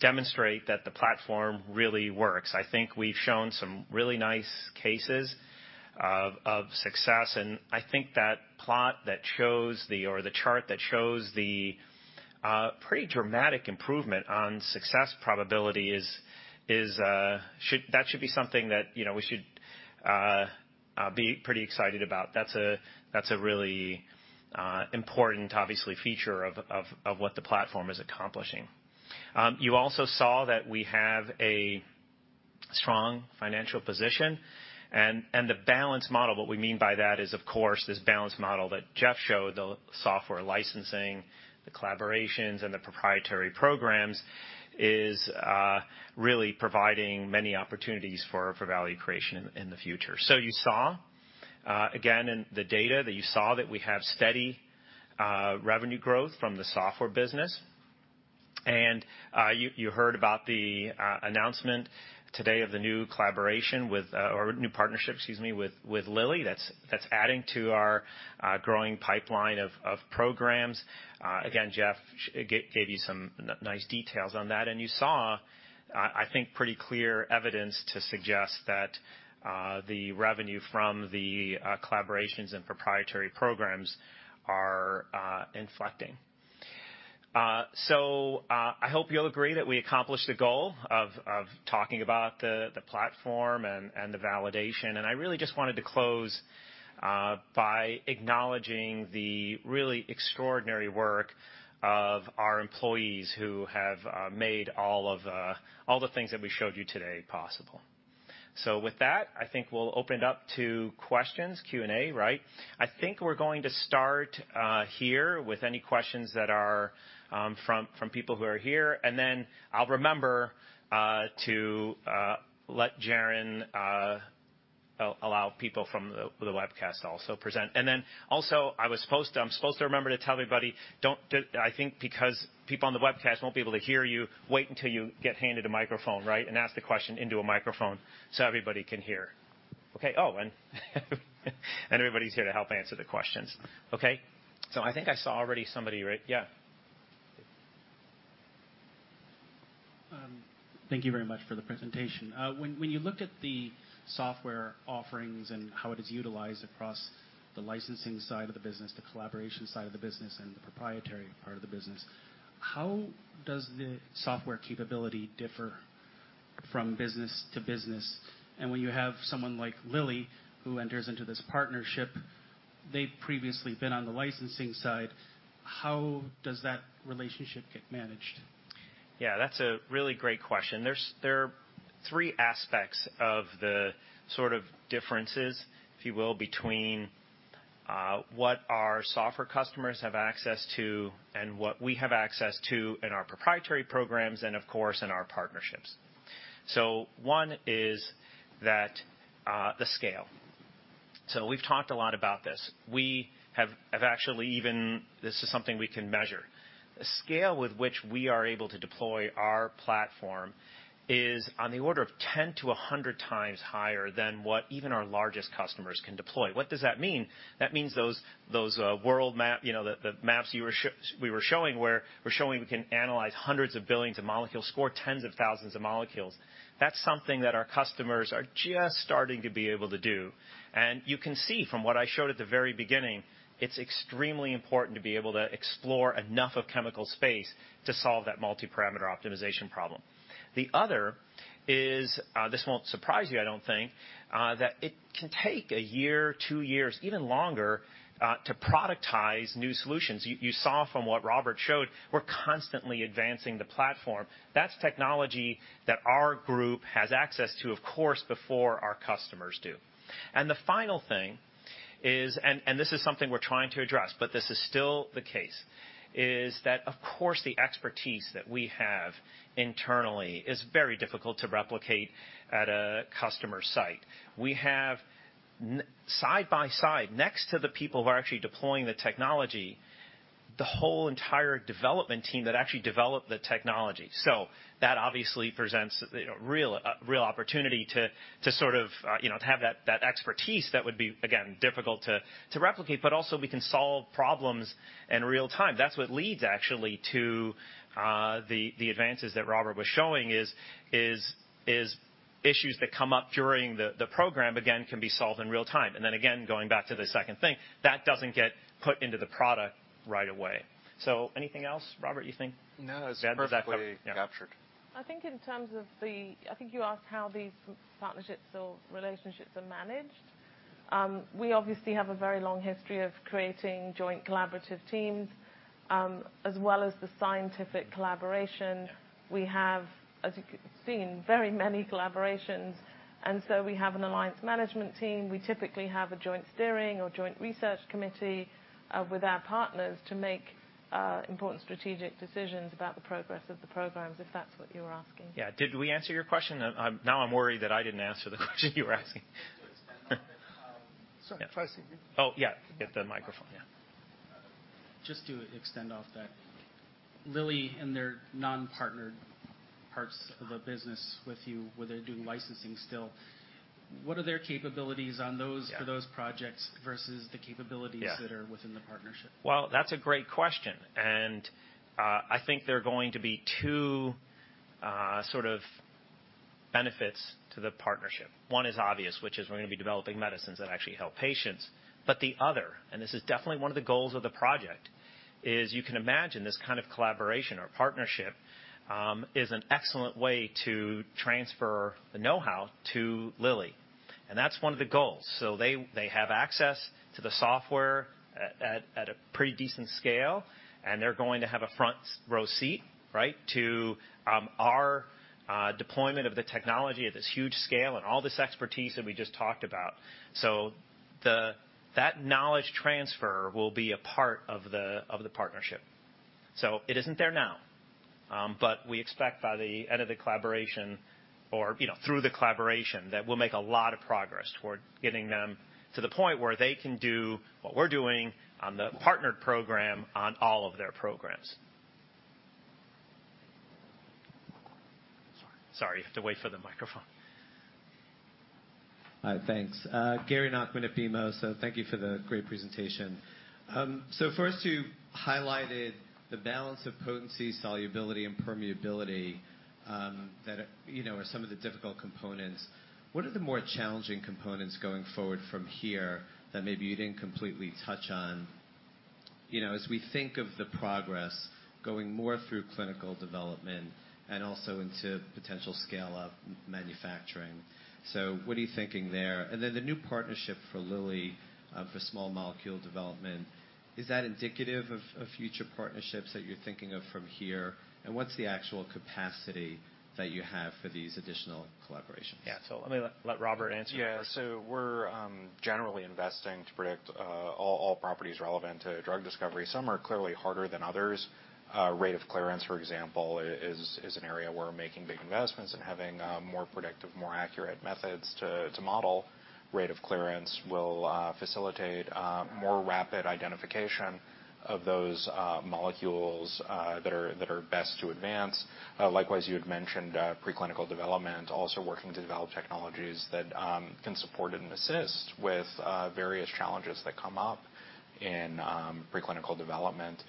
demonstrate that the platform really works. I think we've shown some really nice cases of success, and I think that plot that shows or the chart that shows the pretty dramatic improvement on success probability is that should be something that you know we should be pretty excited about. That's a really important obviously feature of what the platform is accomplishing. You also saw that we have a strong financial position and the balance model. What we mean by that is, of course, this balance model that Geoff showed, the software licensing, the collaborations, and the proprietary programs is really providing many opportunities for value creation in the future. You saw again, in the data that you saw that we have steady revenue growth from the software business. You heard about the announcement today of the new collaboration with, or new partnership, excuse me, with Lilly that's adding to our growing pipeline of programs. Again, Geoff gave you some nice details on that. You saw, I think, pretty clear evidence to suggest that the revenue from the collaborations and proprietary programs are inflecting. I hope you'll agree that we accomplished the goal of talking about the platform and the validation. I really just wanted to close by acknowledging the really extraordinary work of our employees who have made all of the things that we showed you today possible. With that, I think we'll open it up to questions, Q&A, right? I think we're going to start here with any questions that are from people who are here, and then I'll remember to let Jaren allow people from the webcast also present. Then also I was supposed to. I'm supposed to remember to tell everybody. I think because people on the webcast won't be able to hear you, wait until you get handed a microphone, right? And ask the question into a microphone so everybody can hear. Okay. Oh, and everybody's here to help answer the questions. Okay? I think I saw already somebody, right? Yeah. Thank you very much for the presentation. When you look at the software offerings and how it is utilized across the licensing side of the business, the collaboration side of the business, and the proprietary part of the business, how does the software capability differ from business to business? When you have someone like Lilly who enters into this partnership, they've previously been on the licensing side, how does that relationship get managed? Yeah, that's a really great question. There are three aspects of the sort of differences, if you will, between what our software customers have access to and what we have access to in our proprietary programs and of course in our partnerships. One is that, the scale. We've talked a lot about this. We have actually even. This is something we can measure. The scale with which we are able to deploy our platform is on the order of 10-100 times higher than what even our largest customers can deploy. What does that mean? That means those WaterMap, you know, the maps we were showing where we're showing we can analyze hundreds of billions of molecules, score tens of thousands of molecules. That's something that our customers are just starting to be able to do. You can see from what I showed at the very beginning, it's extremely important to be able to explore enough of chemical space to solve that multi-parameter optimization problem. The other is, this won't surprise you, I don't think, that it can take a year, two years, even longer, to productize new solutions. You saw from what Robert showed, we're constantly advancing the platform. That's technology that our group has access to, of course, before our customers do. The final thing is, this is something we're trying to address, but this is still the case, that of course, the expertise that we have internally is very difficult to replicate at a customer site. We have side by side next to the people who are actually deploying the technology, the whole entire development team that actually developed the technology. That obviously presents a, you know, real opportunity to sort of, you know, to have that expertise that would be, again, difficult to replicate, but also we can solve problems in real time. That's what leads actually to the advances that Robert was showing is issues that come up during the program again, can be solved in real time. Then again, going back to the second thing, that doesn't get put into the product right away. Anything else, Robert, you think? No. Yeah. Does that It's perfectly. Yeah. -captured. I think you asked how these partnerships or relationships are managed. We obviously have a very long history of creating joint collaborative teams, as well as the scientific collaboration. We have, as you see, very many collaborations, and so we have an alliance management team. We typically have a joint steering or joint research committee with our partners to make important strategic decisions about the progress of the programs, if that's what you were asking. Yeah. Did we answer your question? Now I'm worried that I didn't answer the question you were asking. Just to expand on that. Sorry. Close to you. Oh, yeah. Get the microphone. Yeah. Just to extend off that, Lilly and their non-partnered parts of the business with you, where they're doing licensing still, what are their capabilities on those? Yeah. for those projects versus the capabilities Yeah. that are within the partnership? Well, that's a great question, and I think there are going to be two, sort of benefits to the partnership. One is obvious, which is we're gonna be developing medicines that actually help patients. The other, and this is definitely one of the goals of the project, is you can imagine this kind of collaboration or partnership is an excellent way to transfer the know-how to Lilly. That's one of the goals. They have access to the software at a pretty decent scale, and they're going to have a front row seat, right, to our deployment of the technology at this huge scale and all this expertise that we just talked about. That knowledge transfer will be a part of the partnership. It isn't there now, but we expect by the end of the collaboration or, you know, through the collaboration, that we'll make a lot of progress toward getting them to the point where they can do what we're doing on the partnered program on all of their programs. Sorry, you have to wait for the microphone. Hi. Thanks. Gary Nachman at BMO. Thank you for the great presentation. First, you highlighted the balance of potency, solubility, and permeability, that, you know, are some of the difficult components. What are the more challenging components going forward from here that maybe you didn't completely touch on, you know, as we think of the progress going more through clinical development and also into potential scale of manufacturing? What are you thinking there? Then the new partnership for Lilly, for small molecule development, is that indicative of future partnerships that you're thinking of from here? What's the actual capacity that you have for these additional collaborations? Yeah. Let me let Robert answer. Yeah. We're generally investing to predict all properties relevant to drug discovery. Some are clearly harder than others. Rate of clearance, for example, is an area where we're making big investments and having more predictive, more accurate methods to model rate of clearance will facilitate more rapid identification of those molecules that are best to advance. Likewise, you had mentioned preclinical development, also working to develop technologies that can support and assist with various challenges that come up in preclinical development.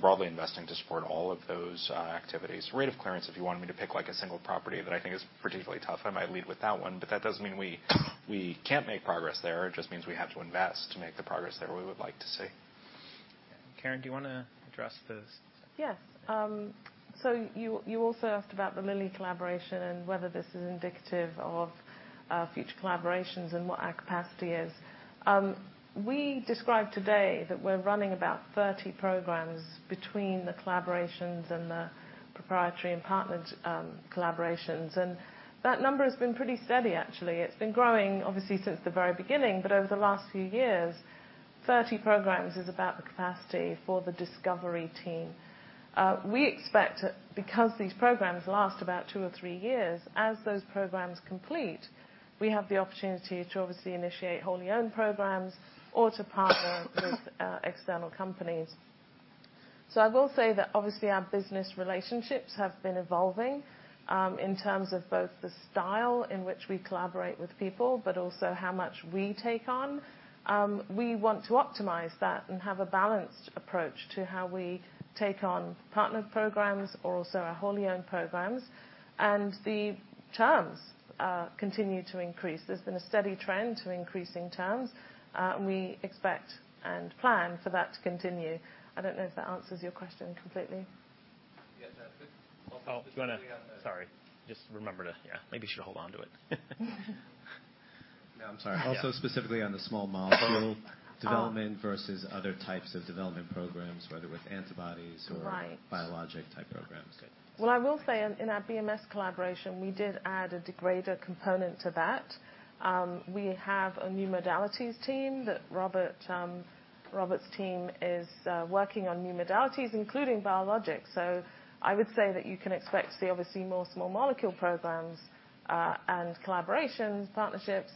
Broadly investing to support all of those activities. Rate of clearance, if you want me to pick, like, a single property that I think is particularly tough, I might lead with that one, but that doesn't mean we can't make progress there. It just means we have to invest to make the progress there we would like to see. Karen, do you wanna address this? Yes. So you also asked about the Lilly collaboration and whether this is indicative of future collaborations and what our capacity is. We described today that we're running about 30 programs between the collaborations and the proprietary and partnered collaborations, and that number has been pretty steady, actually. It's been growing, obviously, since the very beginning, but over the last few years, 30 programs is about the capacity for the discovery team. We expect, because these programs last about two or three years, as those programs complete, we have the opportunity to obviously initiate wholly owned programs or to partner with external companies. I will say that obviously our business relationships have been evolving in terms of both the style in which we collaborate with people, but also how much we take on. We want to optimize that and have a balanced approach to how we take on partnered programs or also our wholly owned programs, and the terms continue to increase. There's been a steady trend to increasing terms, and we expect and plan for that to continue. I don't know if that answers your question completely. Yes. That's good. Sorry. Yeah, maybe you should hold on to it. No. I'm sorry. Also, specifically on the small molecule development versus other types of development programs, whether with antibodies or Right. biologic type programs. Well, I will say in our BMS collaboration, we did add a degrader component to that. We have a new modalities team that Robert's team is working on new modalities, including biologics. I would say that you can expect to see obviously more small molecule programs, and collaborations, partnerships,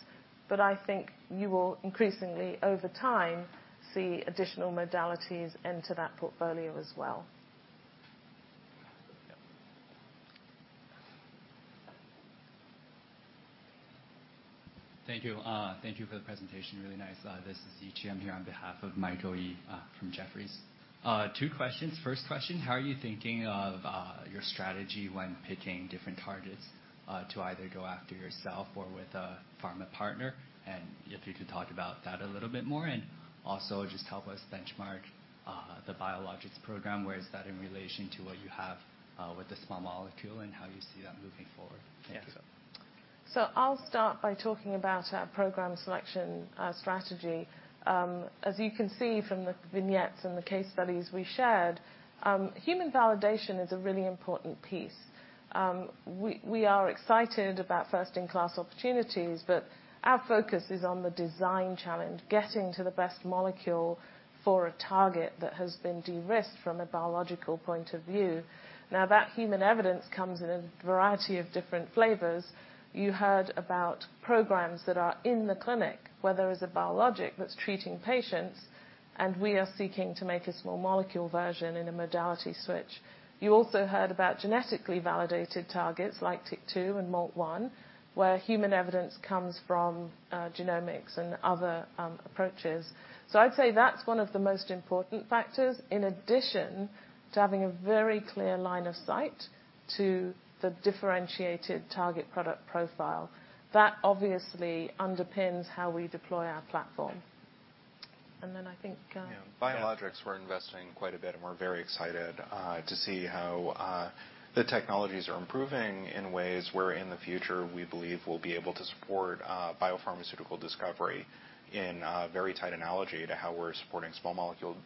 but I think you will increasingly over time see additional modalities into that portfolio as well. Yeah. Thank you. Thank you for the presentation. Really nice. This is Yi Chi. I'm here on behalf of Michael Yee from Jefferies. Two questions. First question, how are you thinking of your strategy when picking different targets to either go after yourself or with a pharma partner? If you could talk about that a little bit more. Also just help us benchmark the biologics program. Where is that in relation to what you have with the small molecule and how you see that moving forward? Thank you. I'll start by talking about our program selection strategy. As you can see from the vignettes and the case studies we shared, human validation is a really important piece. We are excited about first in class opportunities, but our focus is on the design challenge, getting to the best molecule for a target that has been de-risked from a biological point of view. Now, that human evidence comes in a variety of different flavors. You heard about programs that are in the clinic, where there is a biologic that's treating patients, and we are seeking to make a small molecule version in a modality switch. You also heard about genetically validated targets like TYK2 and MALT1, where human evidence comes from genomics and other approaches. I'd say that's one of the most important factors in addition to having a very clear line of sight to the differentiated target product profile. That obviously underpins how we deploy our platform. I think. Yeah. Biologics, we're investing quite a bit, and we're very excited to see how the technologies are improving in ways where in the future we believe we'll be able to support biopharmaceutical discovery in a very tight analogy to how we're supporting small molecule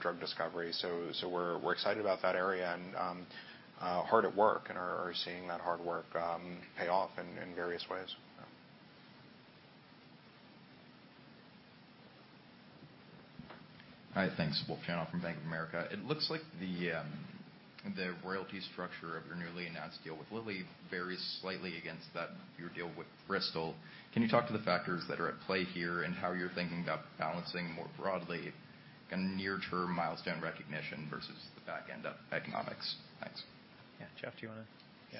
drug discovery. So we're excited about that area and hard at work and are seeing that hard work pay off in various ways. Yeah. Hi. Thanks. Michael Ryskin from Bank of America. It looks like the royalty structure of your newly announced deal with Lilly varies slightly against that your deal with Bristol. Can you talk to the factors that are at play here and how you're thinking about balancing more broadly a near term milestone recognition versus the back end of economics? Thanks. Yeah. Geoffrey, do you wanna-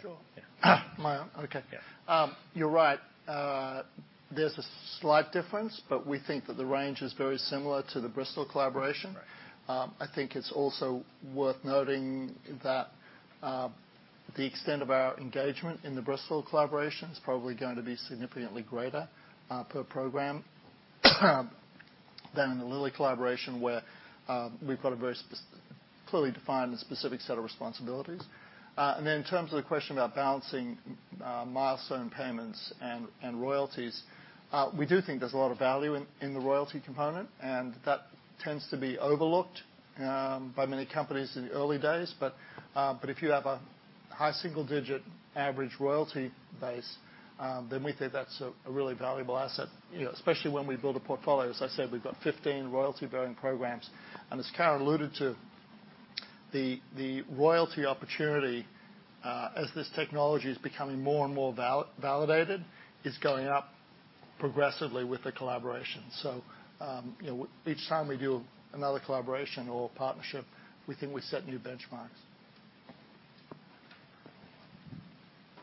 Sure. Yeah. Okay. Yeah. You're right. There's a slight difference, but we think that the range is very similar to the Bristol collaboration. Right. I think it's also worth noting that the extent of our engagement in the Bristol collaboration is probably going to be significantly greater per program than in the Lilly collaboration, where we've got a very specifically defined specific set of responsibilities. Then in terms of the question about balancing milestone payments and royalties, we do think there's a lot of value in the royalty component, and that tends to be overlooked by many companies in the early days. If you have a high single digit average royalty base, then we think that's a really valuable asset, you know, especially when we build a portfolio. As I said, we've got 15 royalty bearing programs, and as Karen alluded to, the royalty opportunity, as this technology is becoming more and more validated, is going up progressively with the collaboration. You know, each time we do another collaboration or partnership, we think we set new benchmarks.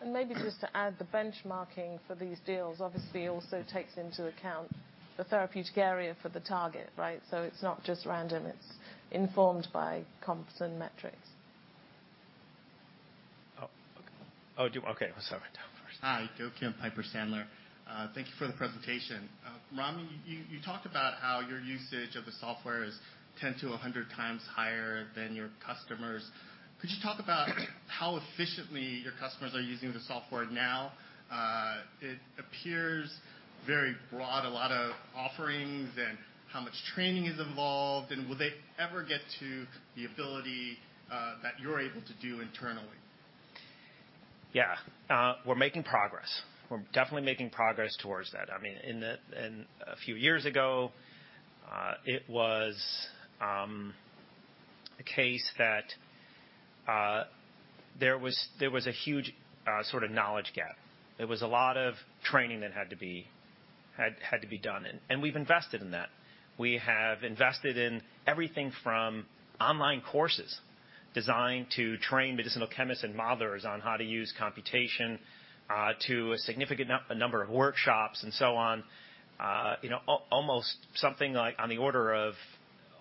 Maybe just to add the benchmarking for these deals obviously also takes into account the therapeutic area for the target, right? It's not just random, it's informed by comps and metrics. Okay. Sorry. Tom first. Hi. Joe Kim, Piper Sandler. Thank you for the presentation. Ramy Farid, you talked about how your usage of the software is 10-100 times higher than your customers. Could you talk about how efficiently your customers are using the software now? It appears very broad, a lot of offerings, and how much training is involved, and will they ever get to the ability that you're able to do internally? Yeah. We're making progress. We're definitely making progress towards that. I mean, in a few years ago, it was a case that there was a huge sort of knowledge gap. There was a lot of training that had to be done, and we've invested in that. We have invested in everything from online courses designed to train medicinal chemists and modelers on how to use computation to a significant number of workshops and so on. You know, almost something like on the order of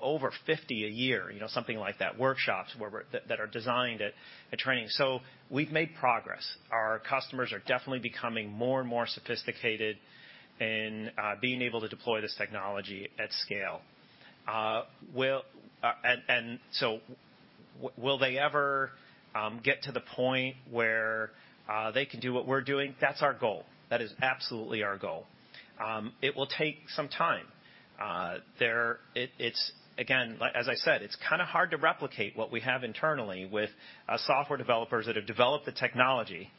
over 50 a year, you know, something like that, workshops where we're that are designed at training. So we've made progress. Our customers are definitely becoming more and more sophisticated in being able to deploy this technology at scale. Will. Will they ever get to the point where they can do what we're doing? That's our goal. That is absolutely our goal. It will take some time. It's again, like as I said, it's kinda hard to replicate what we have internally with software developers that have developed the technology, right,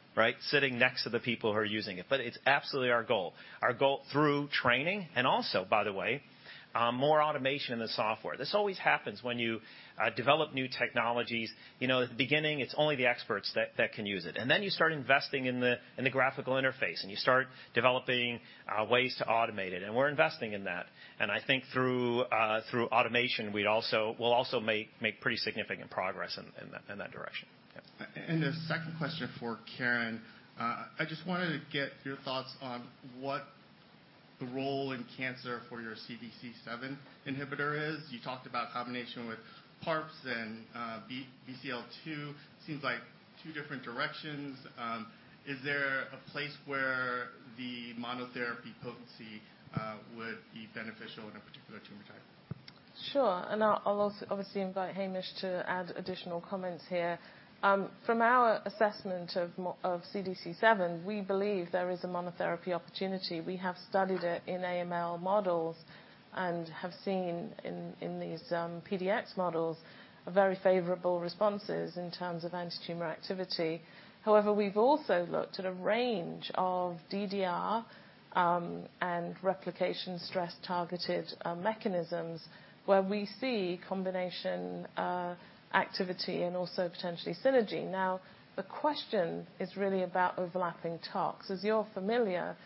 sitting next to the people who are using it. But it's absolutely our goal. Our goal through training and also, by the way, more automation in the software. This always happens when you develop new technologies. You know, at the beginning, it's only the experts that can use it. Then you start investing in the graphical interface, and you start developing ways to automate it, and we're investing in that. I think through automation, we also. We'll also make pretty significant progress in that direction. Yes. A second question for Karen. I just wanted to get your thoughts on what the role in cancer for your CDC7 inhibitor is. You talked about combination with PARPs and BCL2. Seems like two different directions. Is there a place where the monotherapy potency would be beneficial in a particular tumor type? Sure. I'll also obviously invite Hamish to add additional comments here. From our assessment of CDC7, we believe there is a monotherapy opportunity. We have studied it in AML models and have seen in these PDX models a very favorable responses in terms of antitumor activity. However, we've also looked at a range of DDR and replication stress targeted mechanisms where we see combination activity and also potentially synergy. Now, the question is really about overlapping tox. As you're familiar,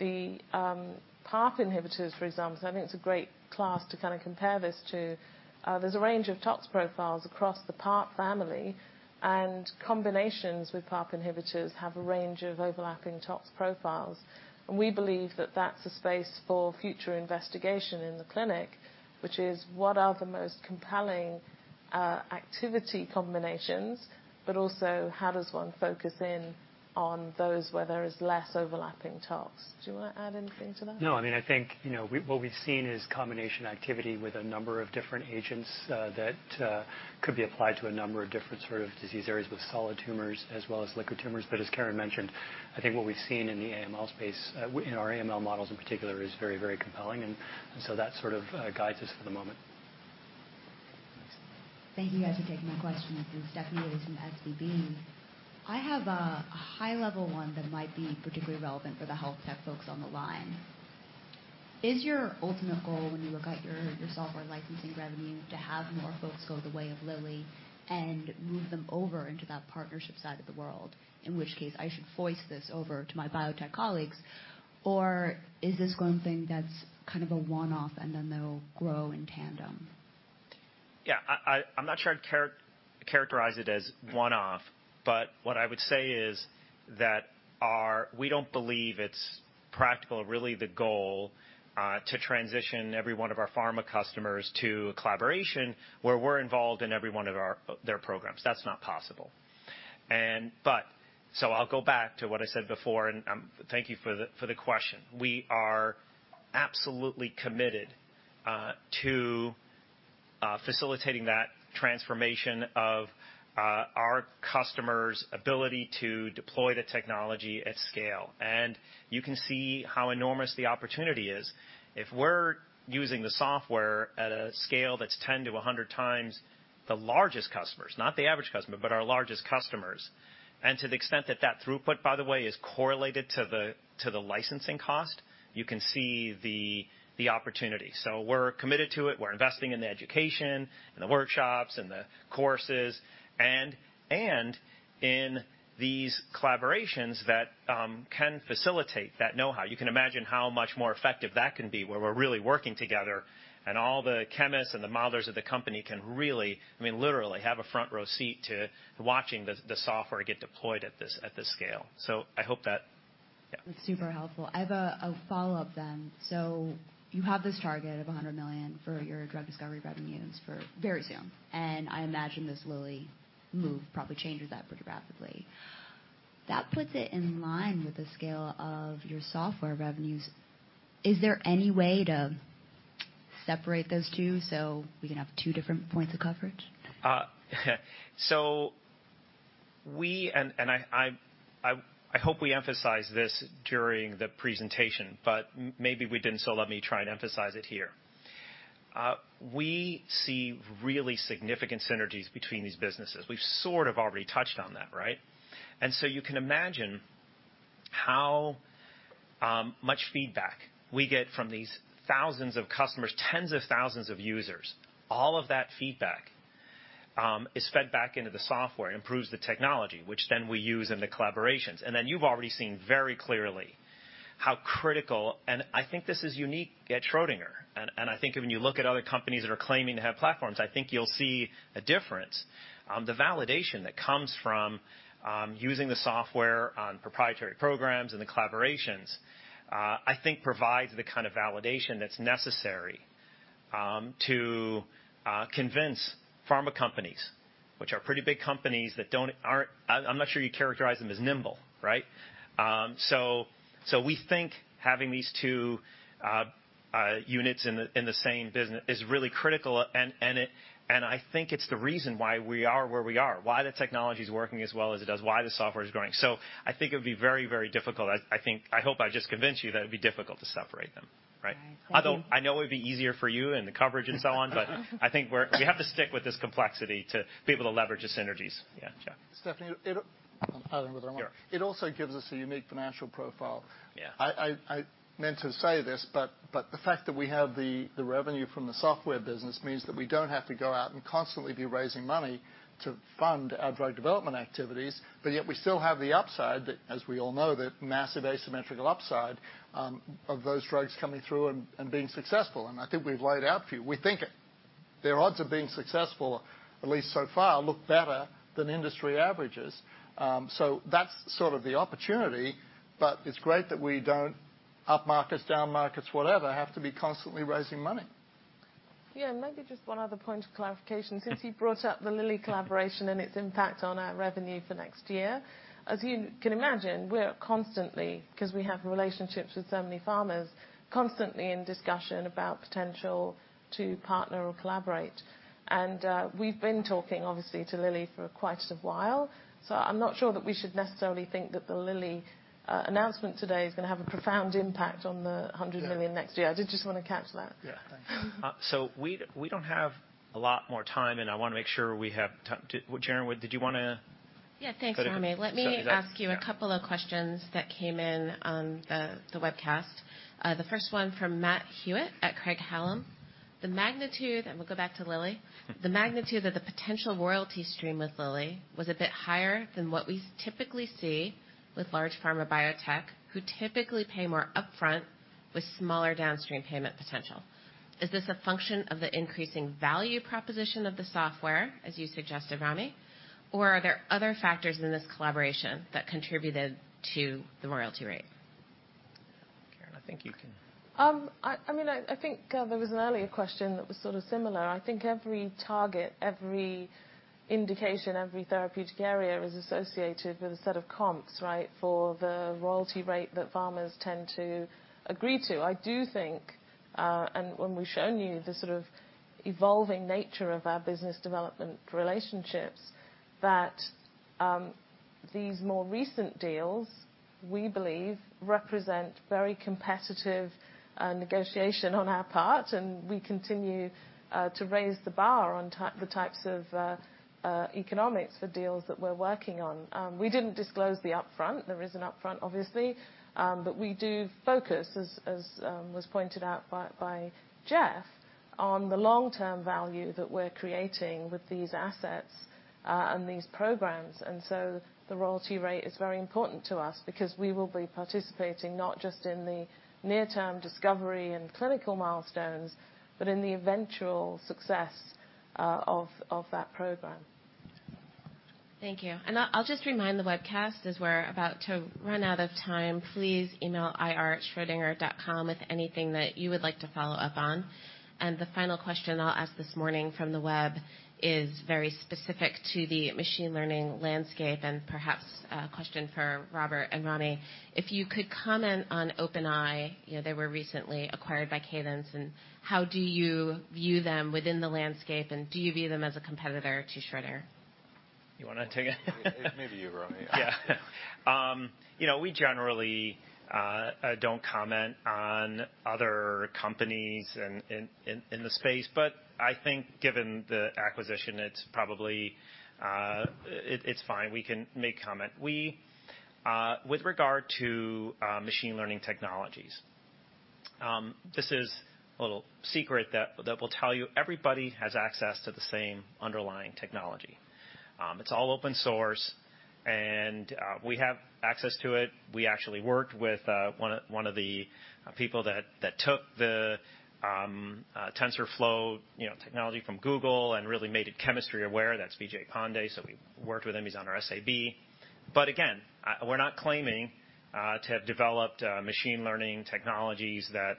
the PARP inhibitors, for example, I think it's a great class to kinda compare this to. There's a range of tox profiles across the PARP family, and combinations with PARP inhibitors have a range of overlapping tox profiles. We believe that that's a space for future investigation in the clinic, which is what are the most compelling activity combinations, but also how does one focus in on those where there is less overlapping tox? Do you want to add anything to that? No, I mean, I think, you know, what we've seen is combination activity with a number of different agents that could be applied to a number of different sort of disease areas with solid tumors as well as liquid tumors. As Karen mentioned, I think what we've seen in the AML space in our AML models in particular is very, very compelling. So that sort of guides us for the moment. Thanks. Thank you guys for taking my question. This is Stephanie Yasko from [XPB]. I have a high-level one that might be particularly relevant for the health tech folks on the line. Is your ultimate goal when you look at your software licensing revenue to have more folks go the way of Lilly and move them over into that partnership side of the world? In which case, I should voice this over to my biotech colleagues. Or is this one thing that's kind of a one-off, and then they'll grow in tandem? Yeah, I'm not sure I'd characterize it as one-off, but what I would say is that we don't believe it's practical or really the goal to transition every one of our pharma customers to a collaboration where we're involved in every one of their programs. That's not possible. I'll go back to what I said before, and thank you for the question. We are absolutely committed to facilitating that transformation of our customers' ability to deploy the technology at scale. You can see how enormous the opportunity is. If we're using the software at a scale that's 10-100 times the largest customers, not the average customer, but our largest customers, and to the extent that that throughput, by the way, is correlated to the licensing cost, you can see the opportunity. We're committed to it. We're investing in the education and the workshops and the courses and in these collaborations that can facilitate that know-how. You can imagine how much more effective that can be, where we're really working together, and all the chemists and the modelers of the company can really, I mean, literally have a front-row seat to watching the software get deployed at this scale. I hope that, yeah. That's super helpful. I have a follow-up then. You have this target of $100 million for your drug discovery revenues very soon, and I imagine this Lilly move probably changes that pretty rapidly. That puts it in line with the scale of your software revenues. Is there any way to separate those two, so we can have two different points of coverage? I hope we emphasized this during the presentation, but maybe we didn't, so let me try and emphasize it here. We see really significant synergies between these businesses. We've sort of already touched on that, right? You can imagine how much feedback we get from these thousands of customers, tens of thousands of users. All of that feedback is fed back into the software. It improves the technology, which then we use in the collaborations. You've already seen very clearly how critical, and I think this is unique at Schrödinger, and I think when you look at other companies that are claiming to have platforms, I think you'll see a difference. The validation that comes from using the software on proprietary programs and the collaborations, I think provides the kind of validation that's necessary to convince pharma companies, which are pretty big companies that aren't nimble, right? I'm not sure how you characterize them. We think having these two units in the same business is really critical. I think it's the reason why we are where we are. The technology's working as well as it does. The software is growing. I think it would be very difficult. I hope I just convinced you that it would be difficult to separate them, right? Okay. Thank you. Although I know it would be easier for you and the coverage and so on, I think we have to stick with this complexity to be able to leverage the synergies. Yeah. Jeff. Stephanie, it'll. Yeah. If I may add one more. It also gives us a unique financial profile. Yeah. I meant to say this, but the fact that we have the revenue from the software business means that we don't have to go out and constantly be raising money to fund our drug development activities, but yet we still have the upside that, as we all know, the massive asymmetrical upside of those drugs coming through and being successful. I think we've laid out for you. We think their odds of being successful, at least so far, look better than industry averages. That's sort of the opportunity, but it's great that we don't, up markets, down markets, whatever, have to be constantly raising money. Yeah. Maybe just one other point of clarification, since you brought up the Lilly collaboration and its impact on our revenue for next year. As you can imagine, we're constantly, 'cause we have relationships with so many pharmas, in discussion about potential to partner or collaborate. We've been talking, obviously, to Lilly for quite a while, so I'm not sure that we should necessarily think that the Lilly announcement today is gonna have a profound impact on the $100 million next year. Yeah. I did just wanna capture that. Yeah. Thanks. We don't have a lot more time, and I wanna make sure we have time. Joe, Karen, did you wanna? Yeah. Thanks, Ramy. Yeah. Let me ask you a couple of questions that came in on the webcast. The first one from Matt Hewitt at Craig-Hallum. The magnitude, and we'll go back to Lilly. The magnitude of the potential royalty stream with Lilly was a bit higher than what we typically see with large pharma biotech, who typically pay more upfront with smaller downstream payment potential. Is this a function of the increasing value proposition of the software, as you suggested, Ramy, or are there other factors in this collaboration that contributed to the royalty rate? I think you can. I mean, I think there was an earlier question that was sort of similar. I think every target, every indication, every therapeutic area is associated with a set of comps, right? For the royalty rate that pharmas tend to agree to. I do think, and when we've shown you the sort of evolving nature of our business development relationships, that these more recent deals, we believe represent very competitive negotiation on our part, and we continue to raise the bar on the types of economics for deals that we're working on. We didn't disclose the upfront. There is an upfront, obviously. We do focus, as was pointed out by Jeff, on the long-term value that we're creating with these assets and these programs. The royalty rate is very important to us because we will be participating not just in the near-term discovery and clinical milestones, but in the eventual success of that program. Thank you. I'll just remind the webcast, as we're about to run out of time, please email ir@schrödinger.com with anything that you would like to follow up on. The final question I'll ask this morning from the web is very specific to the machine learning landscape and perhaps a question for Robert and Ronnie. If you could comment on OpenEye, you know, they were recently acquired by Cadence, and how do you view them within the landscape, and do you view them as a competitor to Schrödinger? You wanna take it? Maybe you, Ramy. Yeah. You know, we generally don't comment on other companies in the space, but I think given the acquisition, it's probably fine. We can make comment. We, with regard to machine learning technologies, this is a little secret that we'll tell you. Everybody has access to the same underlying technology. It's all open source, and we have access to it. We actually worked with one of the people that took the TensorFlow, you know, technology from Google and really made it chemistry aware. That's Vijay Pande. So we worked with him. He's on our SAB. But again, we're not claiming to have developed machine learning technologies that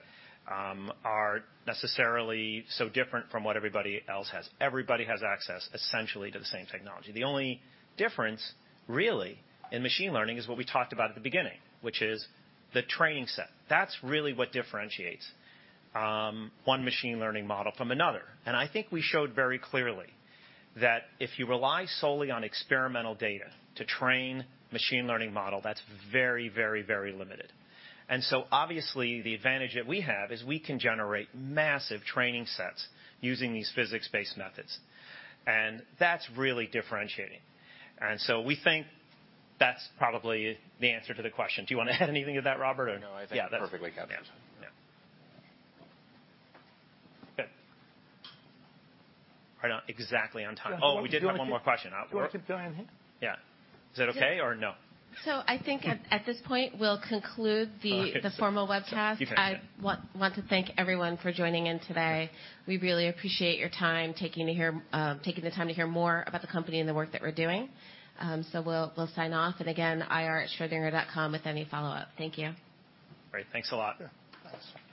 are necessarily so different from what everybody else has. Everybody has access essentially to the same technology. The only difference really in machine learning is what we talked about at the beginning, which is the training set. That's really what differentiates one machine learning model from another. And I think we showed very clearly that if you rely solely on experimental data to train machine learning model, that's very, very, very limited. And so, obviously, the advantage that we have is we can generate massive training sets using these physics-based methods. And that's really differentiating. And so we think that's probably the answer to the question. Do you wanna add anything to that, Robert? Or No, I think that's perfectly captured. Yeah. Good. Right on exactly on time. Oh, we did have one more question. So- Do you want to go ahead? Yeah. Is that okay or no? I think at this point we'll conclude. Okay. The formal webcast. You can. I want to thank everyone for joining in today. We really appreciate your time, taking the time to hear more about the company and the work that we're doing. We'll sign off. Again, ir@schrödinger.com with any follow-up. Thank you. Great. Thanks a lot. Yeah. Thanks.